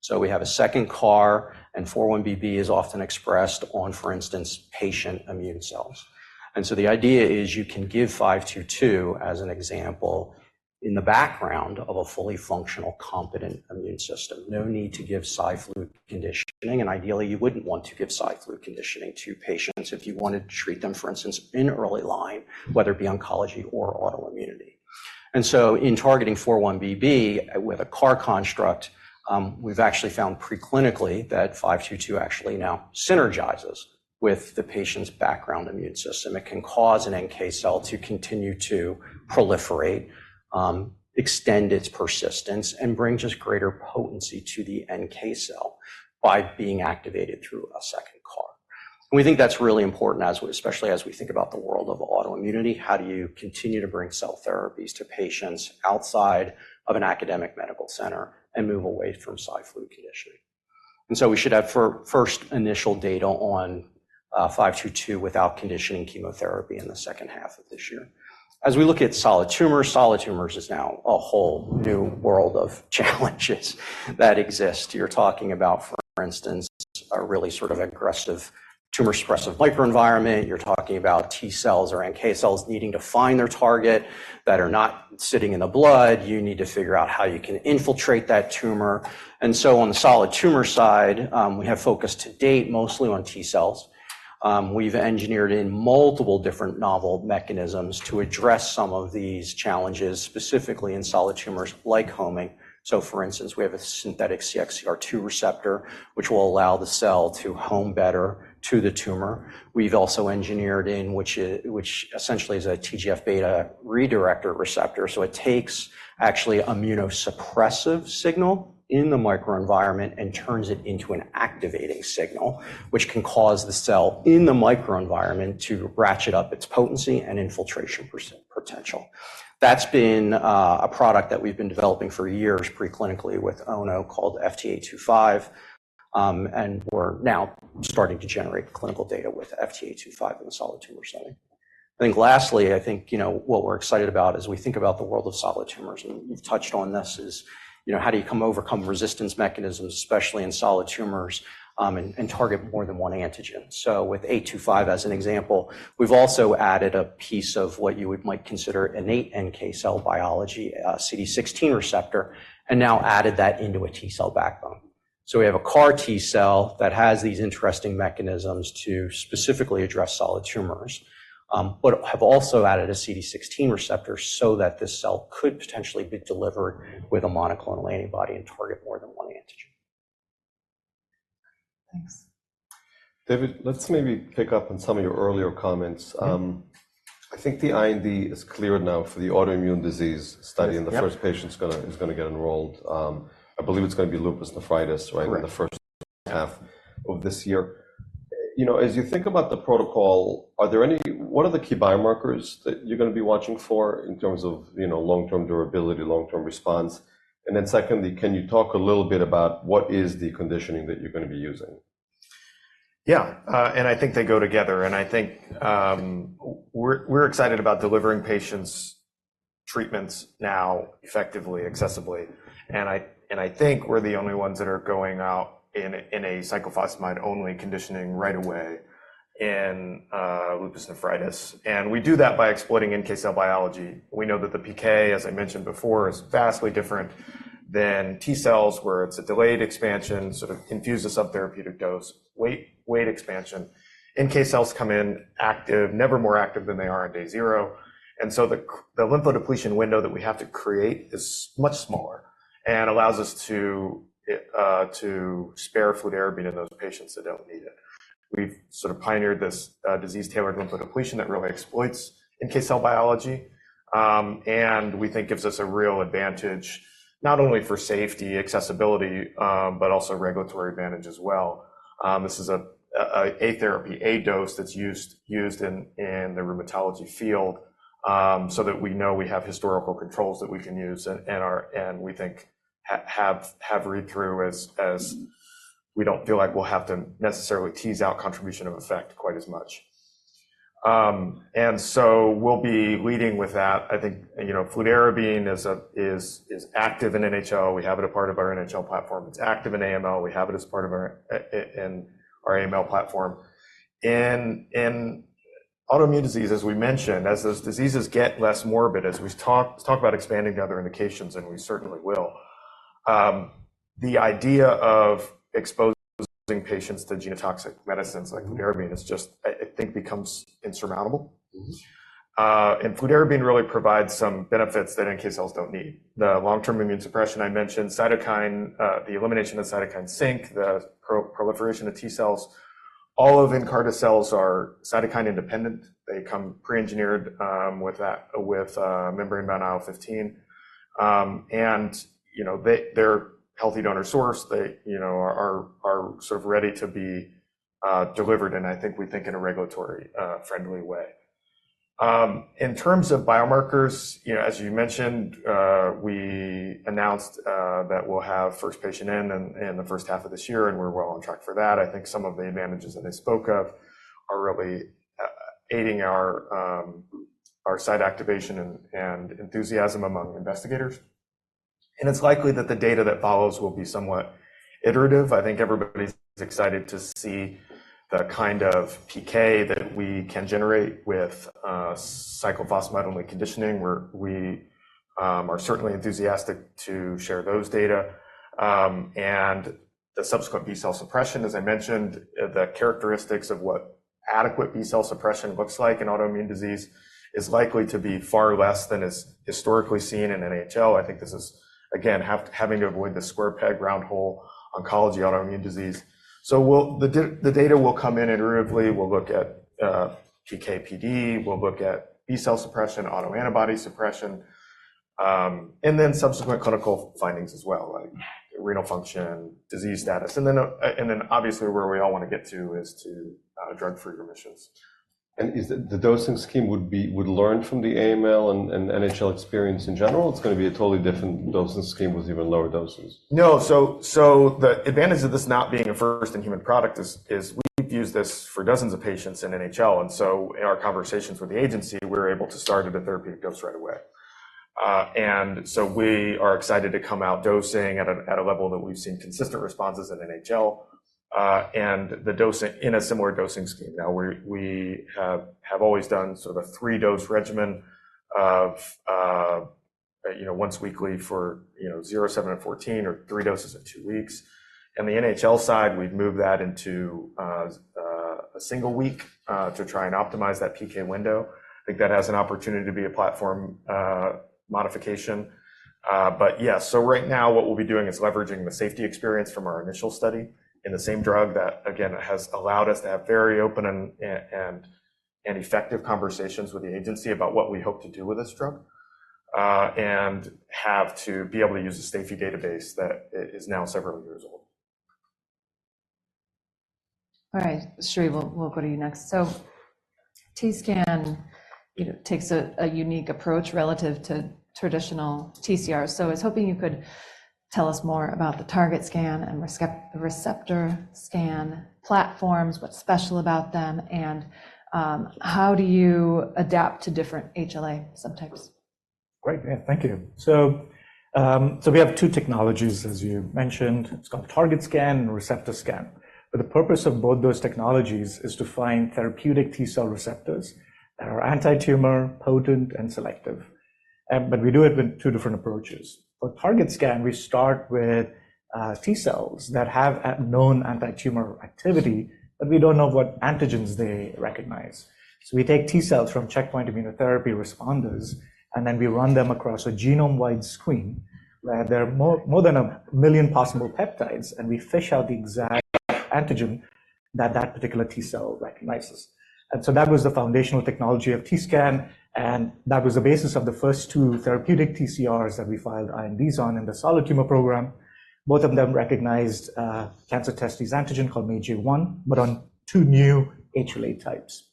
So we have a second CAR. And 4-1BB is often expressed on, for instance, patient immune cells. And so the idea is you can give 522, as an example, in the background of a fully functional, competent immune system. No need to give Cy/Flu conditioning. And ideally, you wouldn't want to give Cy/Flu conditioning to patients if you wanted to treat them, for instance, in early line, whether it be oncology or autoimmunity. And so in targeting 4-1BB with a CAR construct, we've actually found preclinically that 522 actually now synergizes with the patient's background immune system. It can cause an NK cell to continue to proliferate, extend its persistence, and bring just greater potency to the NK cell by being activated through a second CAR. We think that's really important, especially as we think about the world of autoimmunity. How do you continue to bring cell therapies to patients outside of an academic medical center and move away from Cy/Flu conditioning? So we should have first initial data on FT522 without conditioning chemotherapy in the second half of this year. As we look at solid tumors, solid tumors is now a whole new world of challenges that exist. You're talking about, for instance, a really sort of aggressive tumor-suppressive microenvironment. You're talking about T cells or NK cells needing to find their target that are not sitting in the blood. You need to figure out how you can infiltrate that tumor. And so on the solid tumor side, we have focused to date mostly on T cells. We've engineered in multiple different novel mechanisms to address some of these challenges, specifically in solid tumors like homing. So for instance, we have a synthetic CXCR2 receptor, which will allow the cell to home better to the tumor. We've also engineered in, which essentially is a TGF-beta redirector receptor. So it takes actually an immunosuppressive signal in the microenvironment and turns it into an activating signal, which can cause the cell in the microenvironment to ratchet up its potency and infiltration potential. That's been a product that we've been developing for years preclinically with Ono called FT825. And we're now starting to generate clinical data with FT825 in the solid tumor setting. I think lastly, I think what we're excited about as we think about the world of solid tumors, and you've touched on this, is how do you overcome resistance mechanisms, especially in solid tumors, and target more than one antigen? So with FT825 as an example, we've also added a piece of what you might consider innate NK cell biology, a CD16 receptor, and now added that into a T cell backbone. So we have a CAR T cell that has these interesting mechanisms to specifically address solid tumors, but have also added a CD16 receptor so that this cell could potentially be delivered with a monoclonal antibody and target more than one antigen. Thanks. David, let's maybe pick up on some of your earlier comments. I think the IND is cleared now for the autoimmune disease study. The first patient is going to get enrolled. I believe it's going to be Lupus Nephritis, right, in the first half of this year. As you think about the protocol, what are the key biomarkers that you're going to be watching for in terms of long-term durability, long-term response? And then secondly, can you talk a little bit about what is the conditioning that you're going to be using? Yeah. And I think they go together. And I think we're excited about delivering patients treatments now effectively, accessibly. And I think we're the only ones that are going out in a cyclophosphamide-only conditioning right away in lupus nephritis. And we do that by exploiting NK cell biology. We know that the PK, as I mentioned before, is vastly different than T cells, where it's a delayed expansion, sort of confuses up therapeutic dose, weight expansion. NK cells come in active, never more active than they are on day zero. And so the lymphodepletion window that we have to create is much smaller and allows us to spare fludarabine in those patients that don't need it. We've sort of pioneered this disease-tailored lymphodepletion that really exploits NK cell biology. And we think gives us a real advantage not only for safety, accessibility, but also regulatory advantage as well. This is an ATA therapy, ATA dose that's used in the rheumatology field so that we know we have historical controls that we can use and we think have read-through as we don't feel like we'll have to necessarily tease out contribution of effect quite as much. And so we'll be leading with that. I think fludarabine is active in NHL. We have it as part of our NHL platform. It's active in AML. We have it as part of our AML platform. In autoimmune disease, as we mentioned, as those diseases get less morbid, as we've talked let's talk about expanding to other indications, and we certainly will. The idea of exposing patients to genotoxic medicines like fludarabine is just, I think, becomes insurmountable. And fludarabine really provides some benefits that NK cells don't need. The long-term immune suppression I mentioned, the elimination of cytokine sink, the proliferation of T cells, all of Nkarta cells are cytokine-independent. They come pre-engineered with membrane-bound IL-15. And they're a healthy donor source. They are sort of ready to be delivered. And I think we think in a regulatory-friendly way. In terms of biomarkers, as you mentioned, we announced that we'll have first patient in the first half of this year. And we're well on track for that. I think some of the advantages that I spoke of are really aiding our site activation and enthusiasm among investigators. And it's likely that the data that follows will be somewhat iterative. I think everybody's excited to see the kind of PK that we can generate with cyclophosphamide-only conditioning. We are certainly enthusiastic to share those data. And the subsequent B-cell suppression, as I mentioned, the characteristics of what adequate B-cell suppression looks like in autoimmune disease is likely to be far less than is historically seen in NHL. I think this is, again, having to avoid the square peg round hole oncology, autoimmune disease. So the data will come in iteratively. We'll look at PK/PD. We'll look at B-cell suppression, autoantibody suppression, and then subsequent clinical findings as well, like renal function, disease status. And then obviously, where we all want to get to is to drug-free remissions. The dosing scheme would learn from the AML and NHL experience in general? It's going to be a totally different dosing scheme with even lower doses? No. So the advantage of this not being a first-in-human product is we've used this for dozens of patients in NHL. And so in our conversations with the agency, we were able to start at a therapeutic dose right away. And so we are excited to come out dosing at a level that we've seen consistent responses in NHL and in a similar dosing scheme. Now, we have always done sort of a 3-dose regimen of once weekly for 07 and 14 or 3 doses in 2 weeks. And the NHL side, we've moved that into a single week to try and optimize that PK window. I think that has an opportunity to be a platform modification. But yeah. Right now, what we'll be doing is leveraging the safety experience from our initial study in the same drug that, again, has allowed us to have very open and effective conversations with the agency about what we hope to do with this drug and have to be able to use a safety database that is now several years old. All right. Sri, we'll go to you next. So TScan takes a unique approach relative to traditional TCR. So I was hoping you could tell us more about the TargetScan and ReceptorScan platforms, what's special about them, and how do you adapt to different HLA subtypes? Great. Yeah. Thank you. So we have two technologies, as you mentioned. It's called TargetScan and ReceptorScan. But the purpose of both those technologies is to find therapeutic T-cell receptors that are anti-tumor, potent, and selective. But we do it with two different approaches. For TargetScan, we start with T cells that have known anti-tumor activity, but we don't know what antigens they recognize. So we take T cells from checkpoint immunotherapy responders, and then we run them across a genome-wide screen where there are more than 1 million possible peptides. And we fish out the exact antigen that that particular T cell recognizes. And so that was the foundational technology of TScan. And that was the basis of the first two therapeutic TCRs that we filed INDs on in the solid-tumor program. Both of them recognized cancer-testis antigens called MAGE-A1 but on two new HLA types.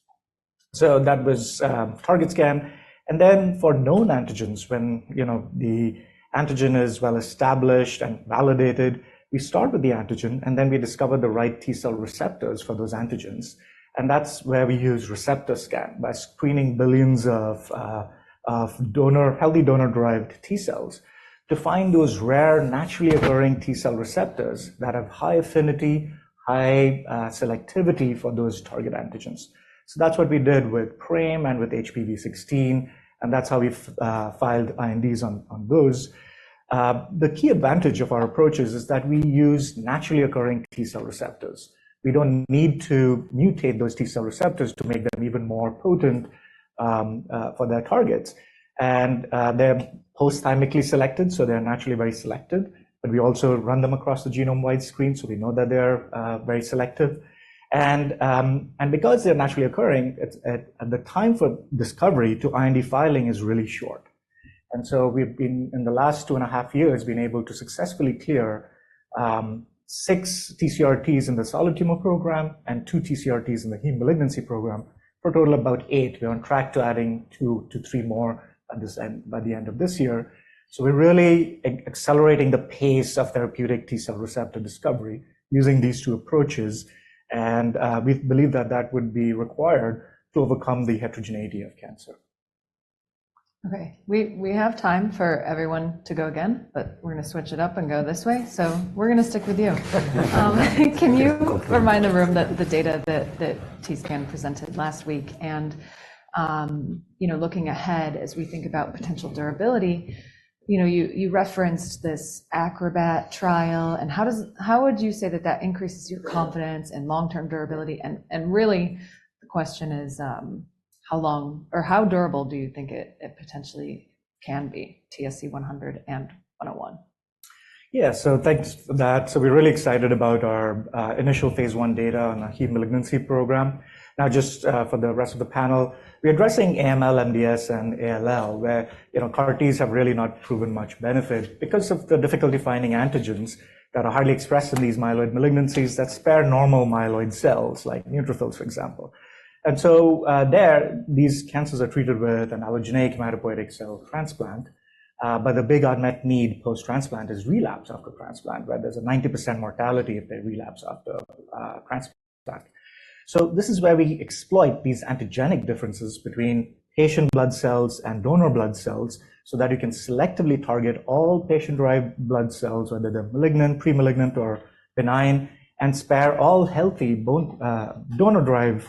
So that was TScan. And then for known antigens, when the antigen is well established and validated, we start with the antigen. And then we discover the right T-cell receptors for those antigens. And that's where we use ReceptorScan by screening billions of healthy donor-derived T cells to find those rare, naturally occurring T-cell receptors that have high affinity, high selectivity for those target antigens. So that's what we did with PRAME and with HPV16. And that's how we filed INDs on those. The key advantage of our approaches is that we use naturally occurring T-cell receptors. We don't need to mutate those T-cell receptors to make them even more potent for their targets. And they're post-thymically selected. So they're naturally very selective. But we also run them across the genome-wide screen. So we know that they're very selective. And because they're naturally occurring, the time for discovery to IND filing is really short. And so we've been, in the last 2.5 years, able to successfully clear 6 TCR-Ts in the solid tumor program and 2 TCR-Ts in the heme malignancy program for a total of about 8. We're on track to adding 2-3 more by the end of this year. So we're really accelerating the pace of therapeutic T cell receptor discovery using these two approaches. And we believe that that would be required to overcome the heterogeneity of cancer. Okay. We have time for everyone to go again, but we're going to switch it up and go this way. So we're going to stick with you. Can you remind the room that the data that TScan presented last week and looking ahead as we think about potential durability, you referenced this ACROBAT trial. And how would you say that that increases your confidence in long-term durability? And really, the question is, how long or how durable do you think it potentially can be, TSC-100 and TSC-101? Yeah. So thanks for that. So we're really excited about our initial phase I data on the heme malignancy program. Now, just for the rest of the panel, we're addressing AML, MDS, and ALL, where CAR Ts have really not proven much benefit because of the difficulty finding antigens that are highly expressed in these myeloid malignancies that spare normal myeloid cells like neutrophils, for example. And so there, these cancers are treated with an allogeneic hematopoietic cell transplant. But the big unmet need post-transplant is relapse after transplant, where there's a 90% mortality if they relapse after transplant. So this is where we exploit these antigenic differences between patient blood cells and donor blood cells so that you can selectively target all patient-derived blood cells, whether they're malignant, premalignant, or benign, and spare all healthy donor-derived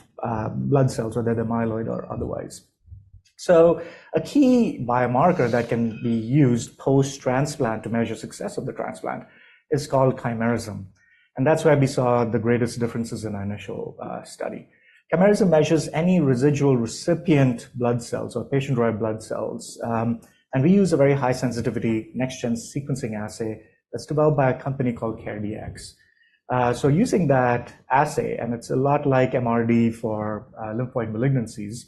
blood cells, whether they're myeloid or otherwise. A key biomarker that can be used post-transplant to measure success of the transplant is called chimerism. That's where we saw the greatest differences in our initial study. Chimerism measures any residual recipient blood cells or patient-derived blood cells. We use a very high-sensitivity next-gen sequencing assay that's developed by a company called CareDx. Using that assay, and it's a lot like MRD for lymphoid malignancies,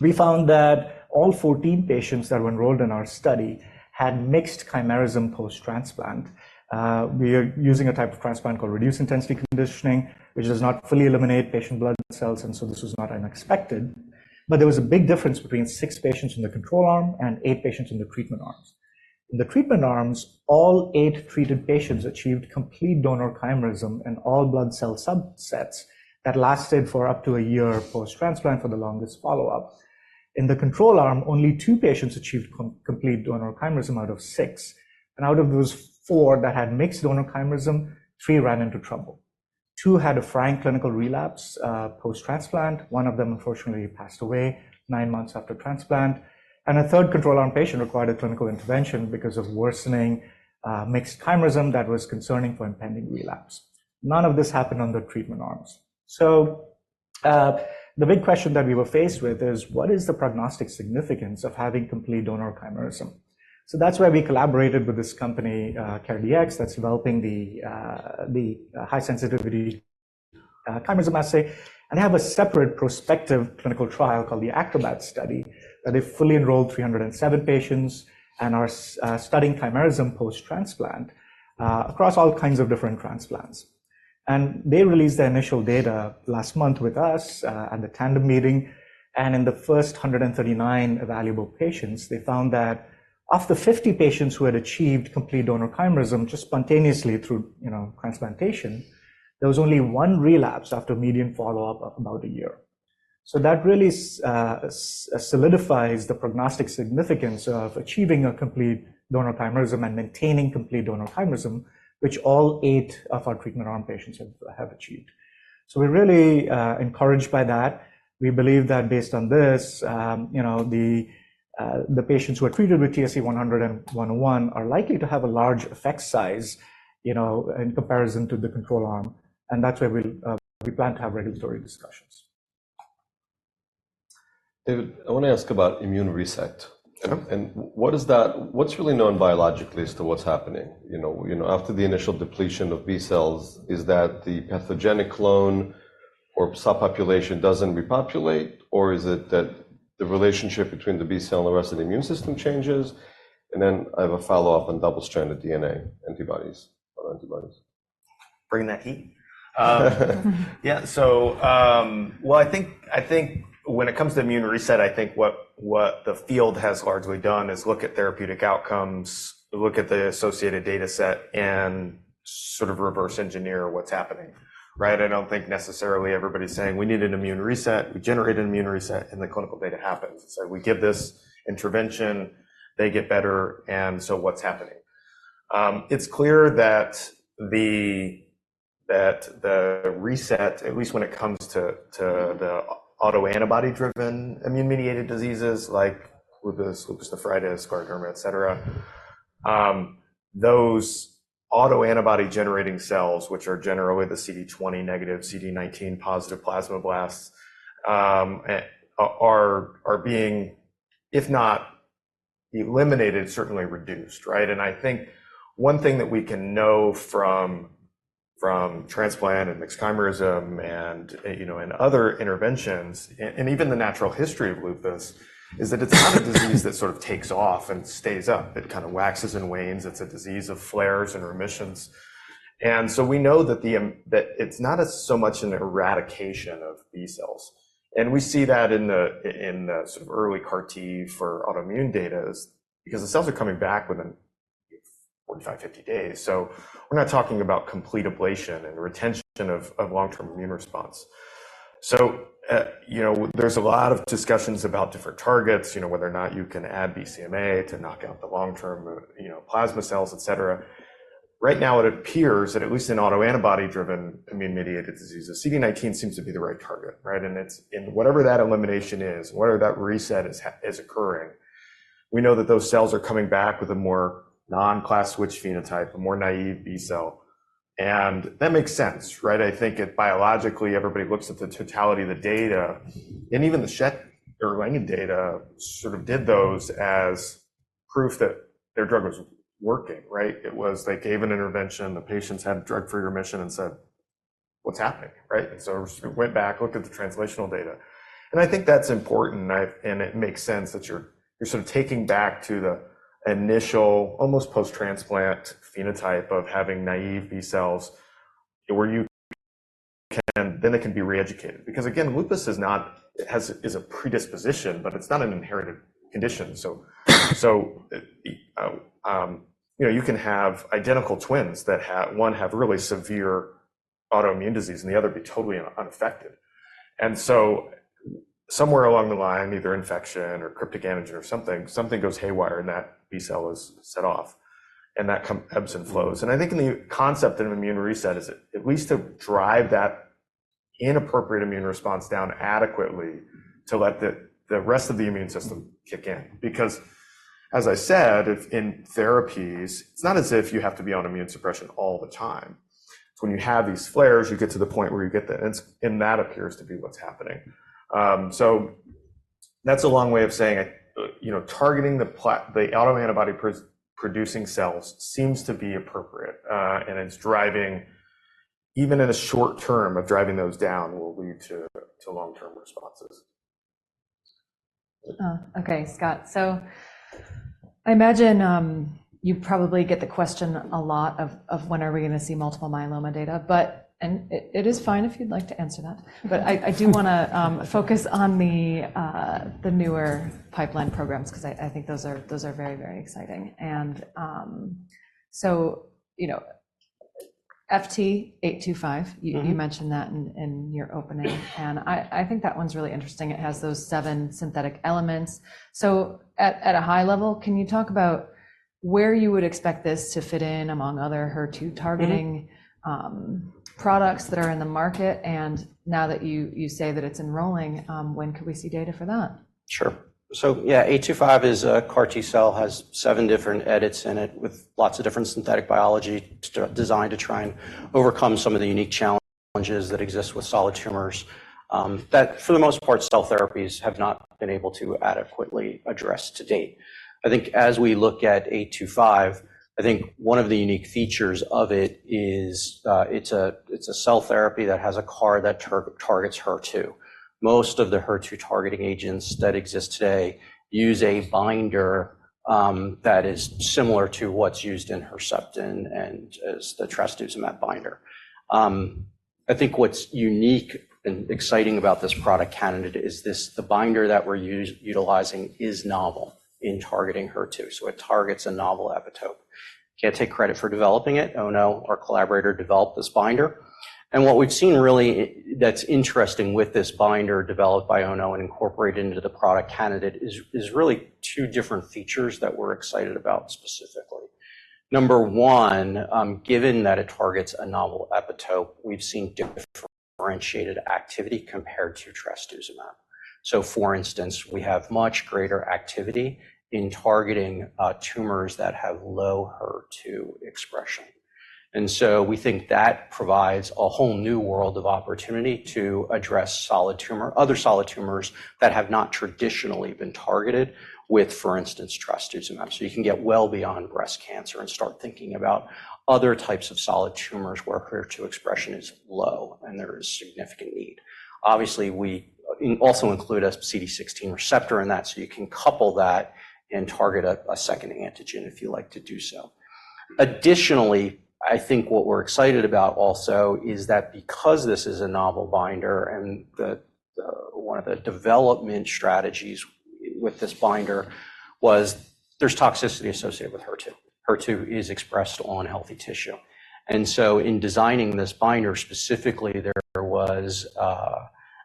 we found that all 14 patients that were enrolled in our study had mixed chimerism post-transplant. We are using a type of transplant called reduced-intensity conditioning, which does not fully eliminate patient blood cells. So this was not unexpected. There was a big difference between 6 patients in the control arm and 8 patients in the treatment arms. In the treatment arms, all 8 treated patients achieved complete donor chimerism in all blood cell subsets that lasted for up to a year post-transplant for the longest follow-up. In the control arm, only 2 patients achieved complete donor chimerism out of 6. And out of those 4 that had mixed donor chimerism, 3 ran into trouble. 2 had a frank clinical relapse post-transplant. One of them, unfortunately, passed away 9 months after transplant. And a third control arm patient required a clinical intervention because of worsening mixed chimerism that was concerning for impending relapse. None of this happened on the treatment arms. So the big question that we were faced with is, what is the prognostic significance of having complete donor chimerism? So that's where we collaborated with this company, CareDx, that's developing the high-sensitivity chimerism assay. They have a separate prospective clinical trial called the ACROBAT study that they fully enrolled 307 patients and are studying chimerism post-transplant across all kinds of different transplants. They released their initial data last month with us at the Tandem meeting. In the first 139 evaluable patients, they found that of the 50 patients who had achieved complete donor chimerism just spontaneously through transplantation, there was only one relapse after median follow-up of about a year. So that really solidifies the prognostic significance of achieving a complete donor chimerism and maintaining complete donor chimerism, which all eight of our treatment arm patients have achieved. So we're really encouraged by that. We believe that based on this, the patients who are treated with TSC-100 and TSC-101 are likely to have a large effect size in comparison to the control arm. That's where we plan to have regulatory discussions. David, I want to ask about immune reset. What's really known biologically as to what's happening? After the initial depletion of B cells, is that the pathogenic clone or subpopulation doesn't repopulate? Or is it that the relationship between the B cell and the rest of the immune system changes? Then I have a follow-up on double-stranded DNA antibodies or antibodies. Bringing that heat? Yeah. Well, I think when it comes to immune reset, I think what the field has largely done is look at therapeutic outcomes, look at the associated dataset, and sort of reverse engineer what's happening, right? I don't think necessarily everybody's saying, "We need an immune reset. We generate an immune reset." And the clinical data happens. It's like, "We give this intervention. They get better. And so what's happening?" It's clear that the reset, at least when it comes to the autoantibody-driven immune-mediated diseases like lupus, lupus nephritis, scleroderma, etc., those autoantibody-generating cells, which are generally the CD20-negative, CD19-positive plasmablasts, are being, if not eliminated, certainly reduced, right? I think one thing that we can know from transplant and mixed chimerism and other interventions and even the natural history of lupus is that it's not a disease that sort of takes off and stays up. It kind of waxes and wanes. It's a disease of flares and remissions. And so we know that it's not so much an eradication of B cells. And we see that in the sort of early CAR T for autoimmune data is because the cells are coming back within 45, 50 days. So we're not talking about complete ablation and retention of long-term immune response. So there's a lot of discussions about different targets, whether or not you can add BCMA to knock out the long-term plasma cells, etc. Right now, it appears that at least in autoantibody-driven immune-mediated diseases, CD19 seems to be the right target, right? Whatever that elimination is, whatever that reset is occurring, we know that those cells are coming back with a more non-class switch phenotype, a more naive B cell. That makes sense, right? I think biologically, everybody looks at the totality of the data. Even the Schett-Erlangen data sort of did those as proof that their drug was working, right? It was they gave an intervention. The patients had drug-free remission and said, "What's happening?" Right? So it went back, looked at the translational data. I think that's important. It makes sense that you're sort of taking back to the initial, almost post-transplant phenotype of having naive B cells where you can then it can be reeducated because, again, lupus is a predisposition, but it's not an inherited condition. So you can have identical twins that one have really severe autoimmune disease and the other be totally unaffected. And so somewhere along the line, either infection or cryptic antigen or something, something goes haywire and that B cell is set off. And that ebbs and flows. And I think in the concept of immune reset is at least to drive that inappropriate immune response down adequately to let the rest of the immune system kick in because, as I said, in therapies, it's not as if you have to be on immune suppression all the time. It's when you have these flares, you get to the point where you get the and that appears to be what's happening. So that's a long way of saying targeting the autoantibody-producing cells seems to be appropriate. And even in the short term of driving those down will lead to long-term responses. Okay, Scott. So I imagine you probably get the question a lot of, "When are we going to see multiple myeloma data?" And it is fine if you'd like to answer that. But I do want to focus on the newer pipeline programs because I think those are very, very exciting. And so FT825, you mentioned that in your opening. And I think that one's really interesting. It has those seven synthetic elements. So at a high level, can you talk about where you would expect this to fit in among other HER2-targeting products that are in the market? And now that you say that it's enrolling, when could we see data for that? Sure. So yeah, FT825 is a CAR T cell has 7 different edits in it with lots of different synthetic biology designed to try and overcome some of the unique challenges that exist with solid tumors that, for the most part, cell therapies have not been able to adequately address to date. I think as we look at FT825, I think one of the unique features of it is it's a cell therapy that has a CAR that targets HER2. Most of the HER2-targeting agents that exist today use a binder that is similar to what's used in Herceptin and is the trastuzumab binder. I think what's unique and exciting about this product candidate is the binder that we're utilizing is novel in targeting HER2. So it targets a novel epitope. Can't take credit for developing it. Ono, our collaborator, developed this binder. And what we've seen really that's interesting with this binder developed by Ono and incorporated into the product candidate is really two different features that we're excited about specifically. Number one, given that it targets a novel epitope, we've seen differentiated activity compared to trastuzumab. So for instance, we have much greater activity in targeting tumors that have low HER2 expression. And so we think that provides a whole new world of opportunity to address other solid tumors that have not traditionally been targeted with, for instance, trastuzumab. So you can get well beyond breast cancer and start thinking about other types of solid tumors where HER2 expression is low and there is significant need. Obviously, we also include a CD16 receptor in that. So you can couple that and target a second antigen if you'd like to do so. Additionally, I think what we're excited about also is that because this is a novel binder and one of the development strategies with this binder was there's toxicity associated with HER2. HER2 is expressed on healthy tissue. And so in designing this binder specifically, there was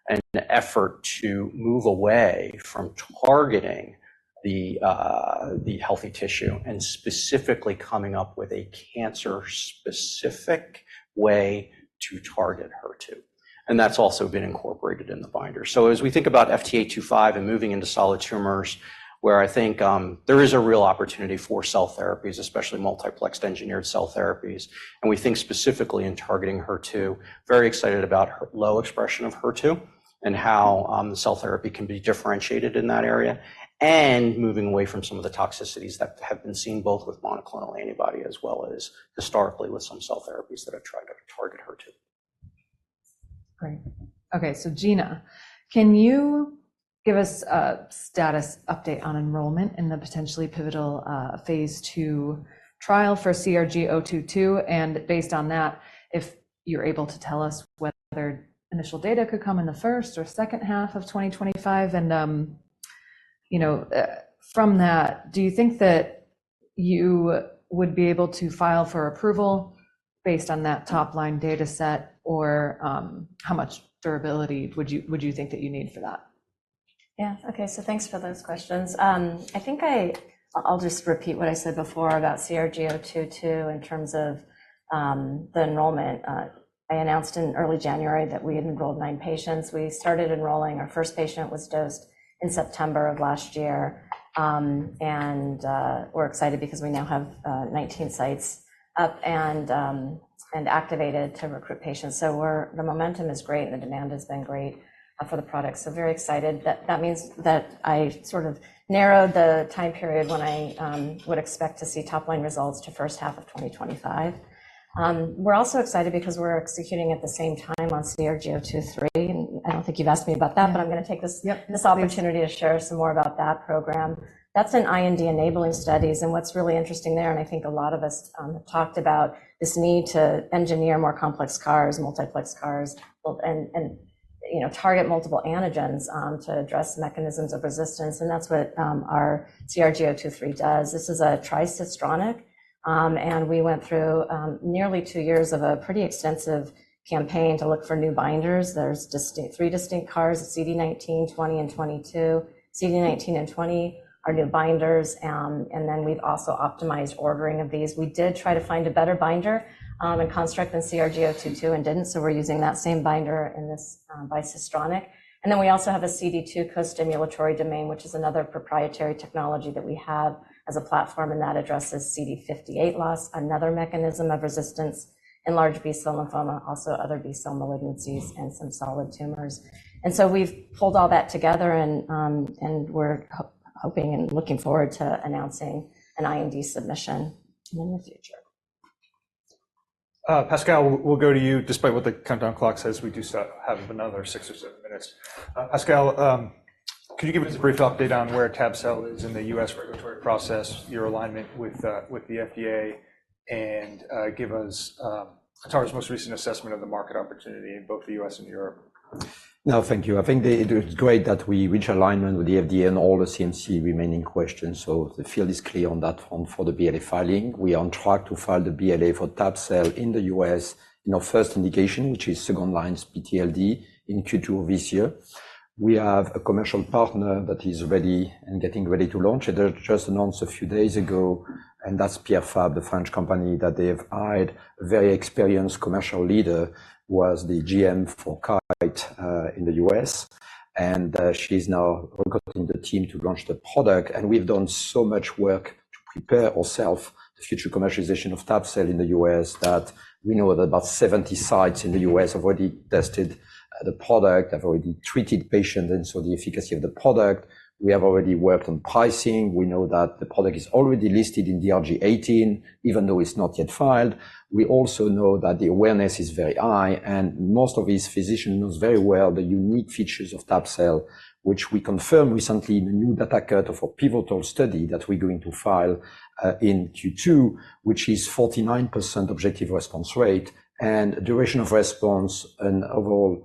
an effort to move away from targeting the healthy tissue and specifically coming up with a cancer-specific way to target HER2. And that's also been incorporated in the binder. So as we think about FT825 and moving into solid tumors where I think there is a real opportunity for cell therapies, especially multiplexed-engineered cell therapies, and we think specifically in targeting HER2, very excited about low expression of HER2 and how the cell therapy can be differentiated in that area and moving away from some of the toxicities that have been seen both with monoclonal antibody as well as historically with some cell therapies that have tried to target HER2. Great. Okay, so Gina, can you give us a status update on enrollment in the potentially pivotal phase II trial for CRG-022? And based on that, if you're able to tell us whether initial data could come in the first or second half of 2025? And from that, do you think that you would be able to file for approval based on that top-line dataset? Or how much durability would you think that you need for that? Yeah. Okay. So thanks for those questions. I think I'll just repeat what I said before about CRG-022 in terms of the enrollment. I announced in early January that we had enrolled nine patients. We started enrolling. Our first patient was dosed in September of last year. And we're excited because we now have 19 sites up and activated to recruit patients. So the momentum is great and the demand has been great for the product. So very excited. That means that I sort of narrowed the time period when I would expect to see top-line results to first half of 2025. We're also excited because we're executing at the same time on CRG-023. And I don't think you've asked me about that, but I'm going to take this opportunity to share some more about that program. That's in IND-enabling studies. What's really interesting there and I think a lot of us talked about this need to engineer more complex CARs, multiplexed CARs, and target multiple antigens to address mechanisms of resistance. That's what our CRG-023 does. This is a tricistronic. We went through nearly two years of a pretty extensive campaign to look for new binders. There's three distinct CARs: CD19, CD20, and CD22. CD19 and CD20 are new binders. Then we've also optimized ordering of these. We did try to find a better binder and construct than CRG-022 and didn't. We're using that same binder in this bicistronic. Then we also have a CD2 co-stimulatory domain, which is another proprietary technology that we have as a platform. That addresses CD58 loss, another mechanism of resistance in large B-cell lymphoma, also other B-cell malignancies, and some solid tumors. We've pulled all that together. We're hoping and looking forward to announcing an IND submission in the future. Pascal, we'll go to you. Despite what the countdown clock says, we do have another six or seven minutes. Pascal, could you give us a brief update on where tab-cel is in the U.S. regulatory process, your alignment with the FDA, and give us Atara's most recent assessment of the market opportunity in both the U.S. and Europe? No, thank you. I think it was great that we reached alignment with the FDA on all the CMC remaining questions. So the field is clear on that front for the BLA filing. We are on track to file the BLA for tab-cel in the U.S. in our first indication, which is second-line PTLD in Q2 of this year. We have a commercial partner that is ready and getting ready to launch. It was just announced a few days ago. And that's Pierre Fabre, the French company that they have hired. A very experienced commercial leader was the GM for Kite in the U.S. And she is now recruiting the team to launch the product. We've done so much work to prepare ourselves for the future commercialization of tab-cel in the U.S. that we know that about 70 sites in the U.S. have already tested the product, have already treated patients. And so the efficacy of the product, we have already worked on pricing. We know that the product is already listed in DRG18, even though it's not yet filed. We also know that the awareness is very high. Most of these physicians know very well the unique features of tab-cel, which we confirmed recently in the new data cut of our pivotal study that we're going to file in Q2, which is 49% objective response rate, and duration of response, and overall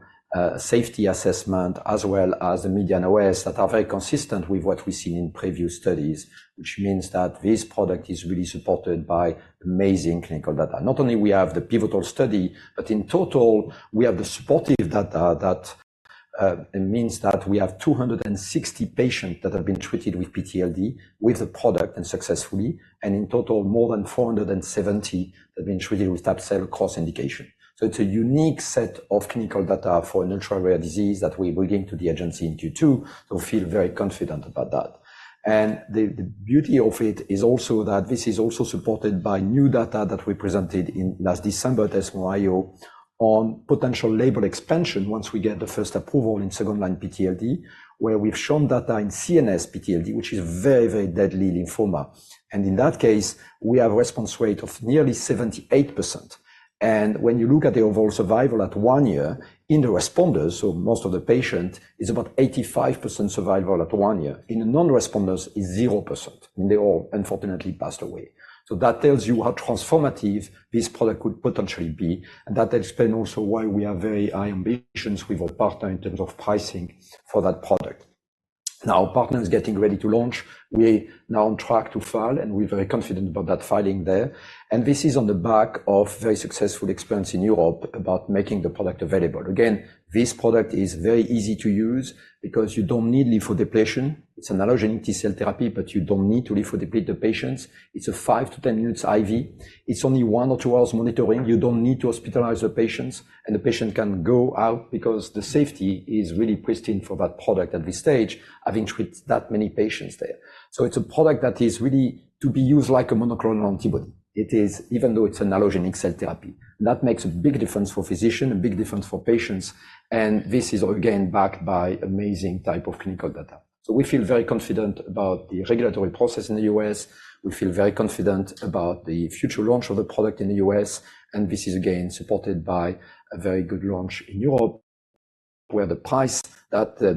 safety assessment as well as the median OS that are very consistent with what we've seen in previous studies, which means that this product is really supported by amazing clinical data. Not only do we have the pivotal study, but in total, we have the supportive data that means that we have 260 patients that have been treated with PTLD with the product and successfully. In total, more than 470 that have been treated with tab-cel across indication. It's a unique set of clinical data for an ultra-rare disease that we're bringing to the agency in Q2. So we feel very confident about that. And the beauty of it is also that this is also supported by new data that we presented last December at ESMO IO on potential label expansion once we get the first approval in second-line PTLD where we've shown data in CNS PTLD, which is very, very deadly lymphoma. And in that case, we have a response rate of nearly 78%. And when you look at the overall survival at one year in the responders, so most of the patients, it's about 85% survival at one year. In the non-responders, it's 0%. And they all, unfortunately, passed away. So that tells you how transformative this product could potentially be. And that explains also why we are very high ambitions with our partner in terms of pricing for that product. Now, our partner is getting ready to launch. We are now on track to file. We're very confident about that filing there. This is on the back of very successful experience in Europe about making the product available. Again, this product is very easy to use because you don't need lymphodepletion. It's an allogeneic T-cell therapy, but you don't need to lymphodeplete the patients. It's a 5-10 minutes IV. It's only one or two hours monitoring. You don't need to hospitalize the patients. The patient can go out because the safety is really pristine for that product at this stage, having treated that many patients there. So it's a product that is really to be used like a monoclonal antibody, even though it's an allogeneic cell therapy. That makes a big difference for physicians, a big difference for patients. This is, again, backed by amazing type of clinical data. So we feel very confident about the regulatory process in the U.S. We feel very confident about the future launch of the product in the U.S. And this is, again, supported by a very good launch in Europe where the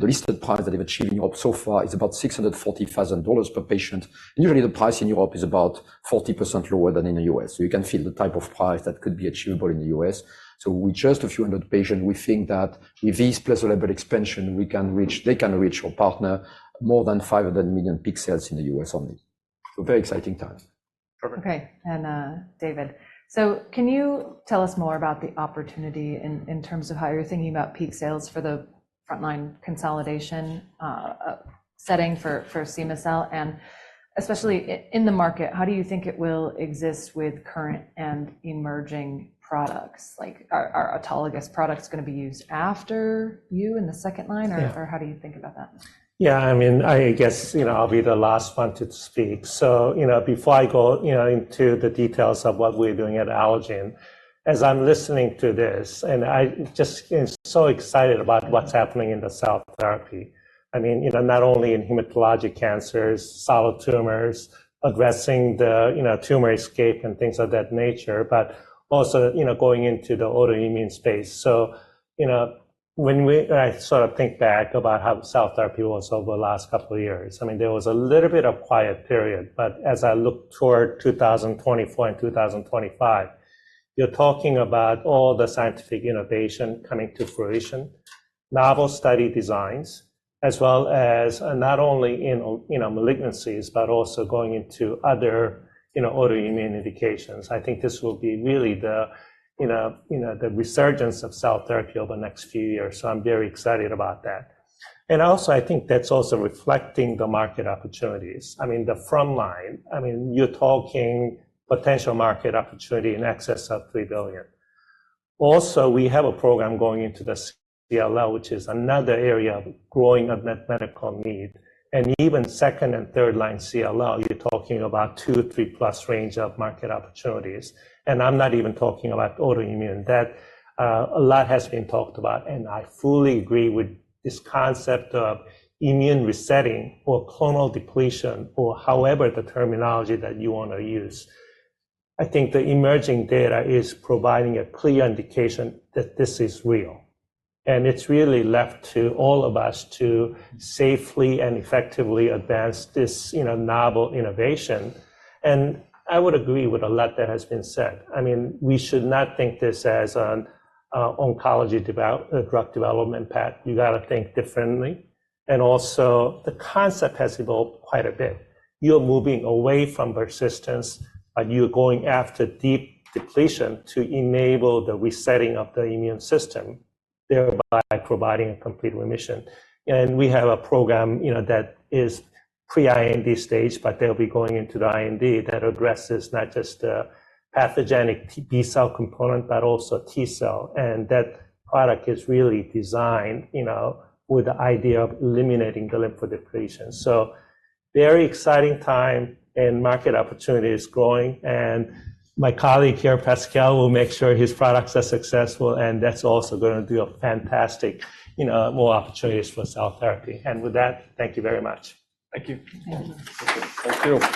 listed price that they've achieved in Europe so far is about $640,000 per patient. And usually, the price in Europe is about 40% lower than in the U.S. So you can feel the type of price that could be achievable in the U.S. So with just a few hundred patients, we think that with this pleasurable expansion, they can reach our partner more than $500 million peak sales in the US only. So very exciting times. Okay. David, so can you tell us more about the opportunity in terms of how you're thinking about peak sales for the front-line consolidation setting for cema-cel? And especially in the market, how do you think it will exist with current and emerging products? Are autologous products going to be used after you in the second line? Or how do you think about that? Yeah. I mean, I guess I'll be the last one to speak. So before I go into the details of what we're doing at Allogene, as I'm listening to this and I'm just so excited about what's happening in the cell therapy, I mean, not only in hematologic cancers, solid tumors, addressing the tumor escape and things of that nature, but also going into the autoimmune space. So when I sort of think back about how cell therapy was over the last couple of years, I mean, there was a little bit of quiet period. But as I look toward 2024 and 2025, you're talking about all the scientific innovation coming to fruition, novel study designs, as well as not only in malignancies, but also going into other autoimmune indications. I think this will be really the resurgence of cell therapy over the next few years. I'm very excited about that. Also, I think that's also reflecting the market opportunities. I mean, the front line, I mean, you're talking potential market opportunity in excess of $3 billion. Also, we have a program going into the CLL, which is another area of growing medical need. Even second and third-line CLL, you're talking about $2 to $3+ range of market opportunities. I'm not even talking about autoimmune. A lot has been talked about. I fully agree with this concept of immune resetting or clonal depletion or however the terminology that you want to use. I think the emerging data is providing a clear indication that this is real. It's really left to all of us to safely and effectively advance this novel innovation. I would agree with a lot that has been said. I mean, we should not think this as an oncology drug development path. You got to think differently. And also, the concept has evolved quite a bit. You're moving away from persistence, but you're going after deep depletion to enable the resetting of the immune system, thereby providing a complete remission. And we have a program that is pre-IND stage, but they'll be going into the IND that addresses not just the pathogenic B cell component, but also T cell. And that product is really designed with the idea of eliminating the lymphodepletion. So very exciting time and market opportunities growing. And my colleague here, Pascal, will make sure his products are successful. And that's also going to do fantastic more opportunities for cell therapy. And with that, thank you very much. Thank you. Thank you. Thank you.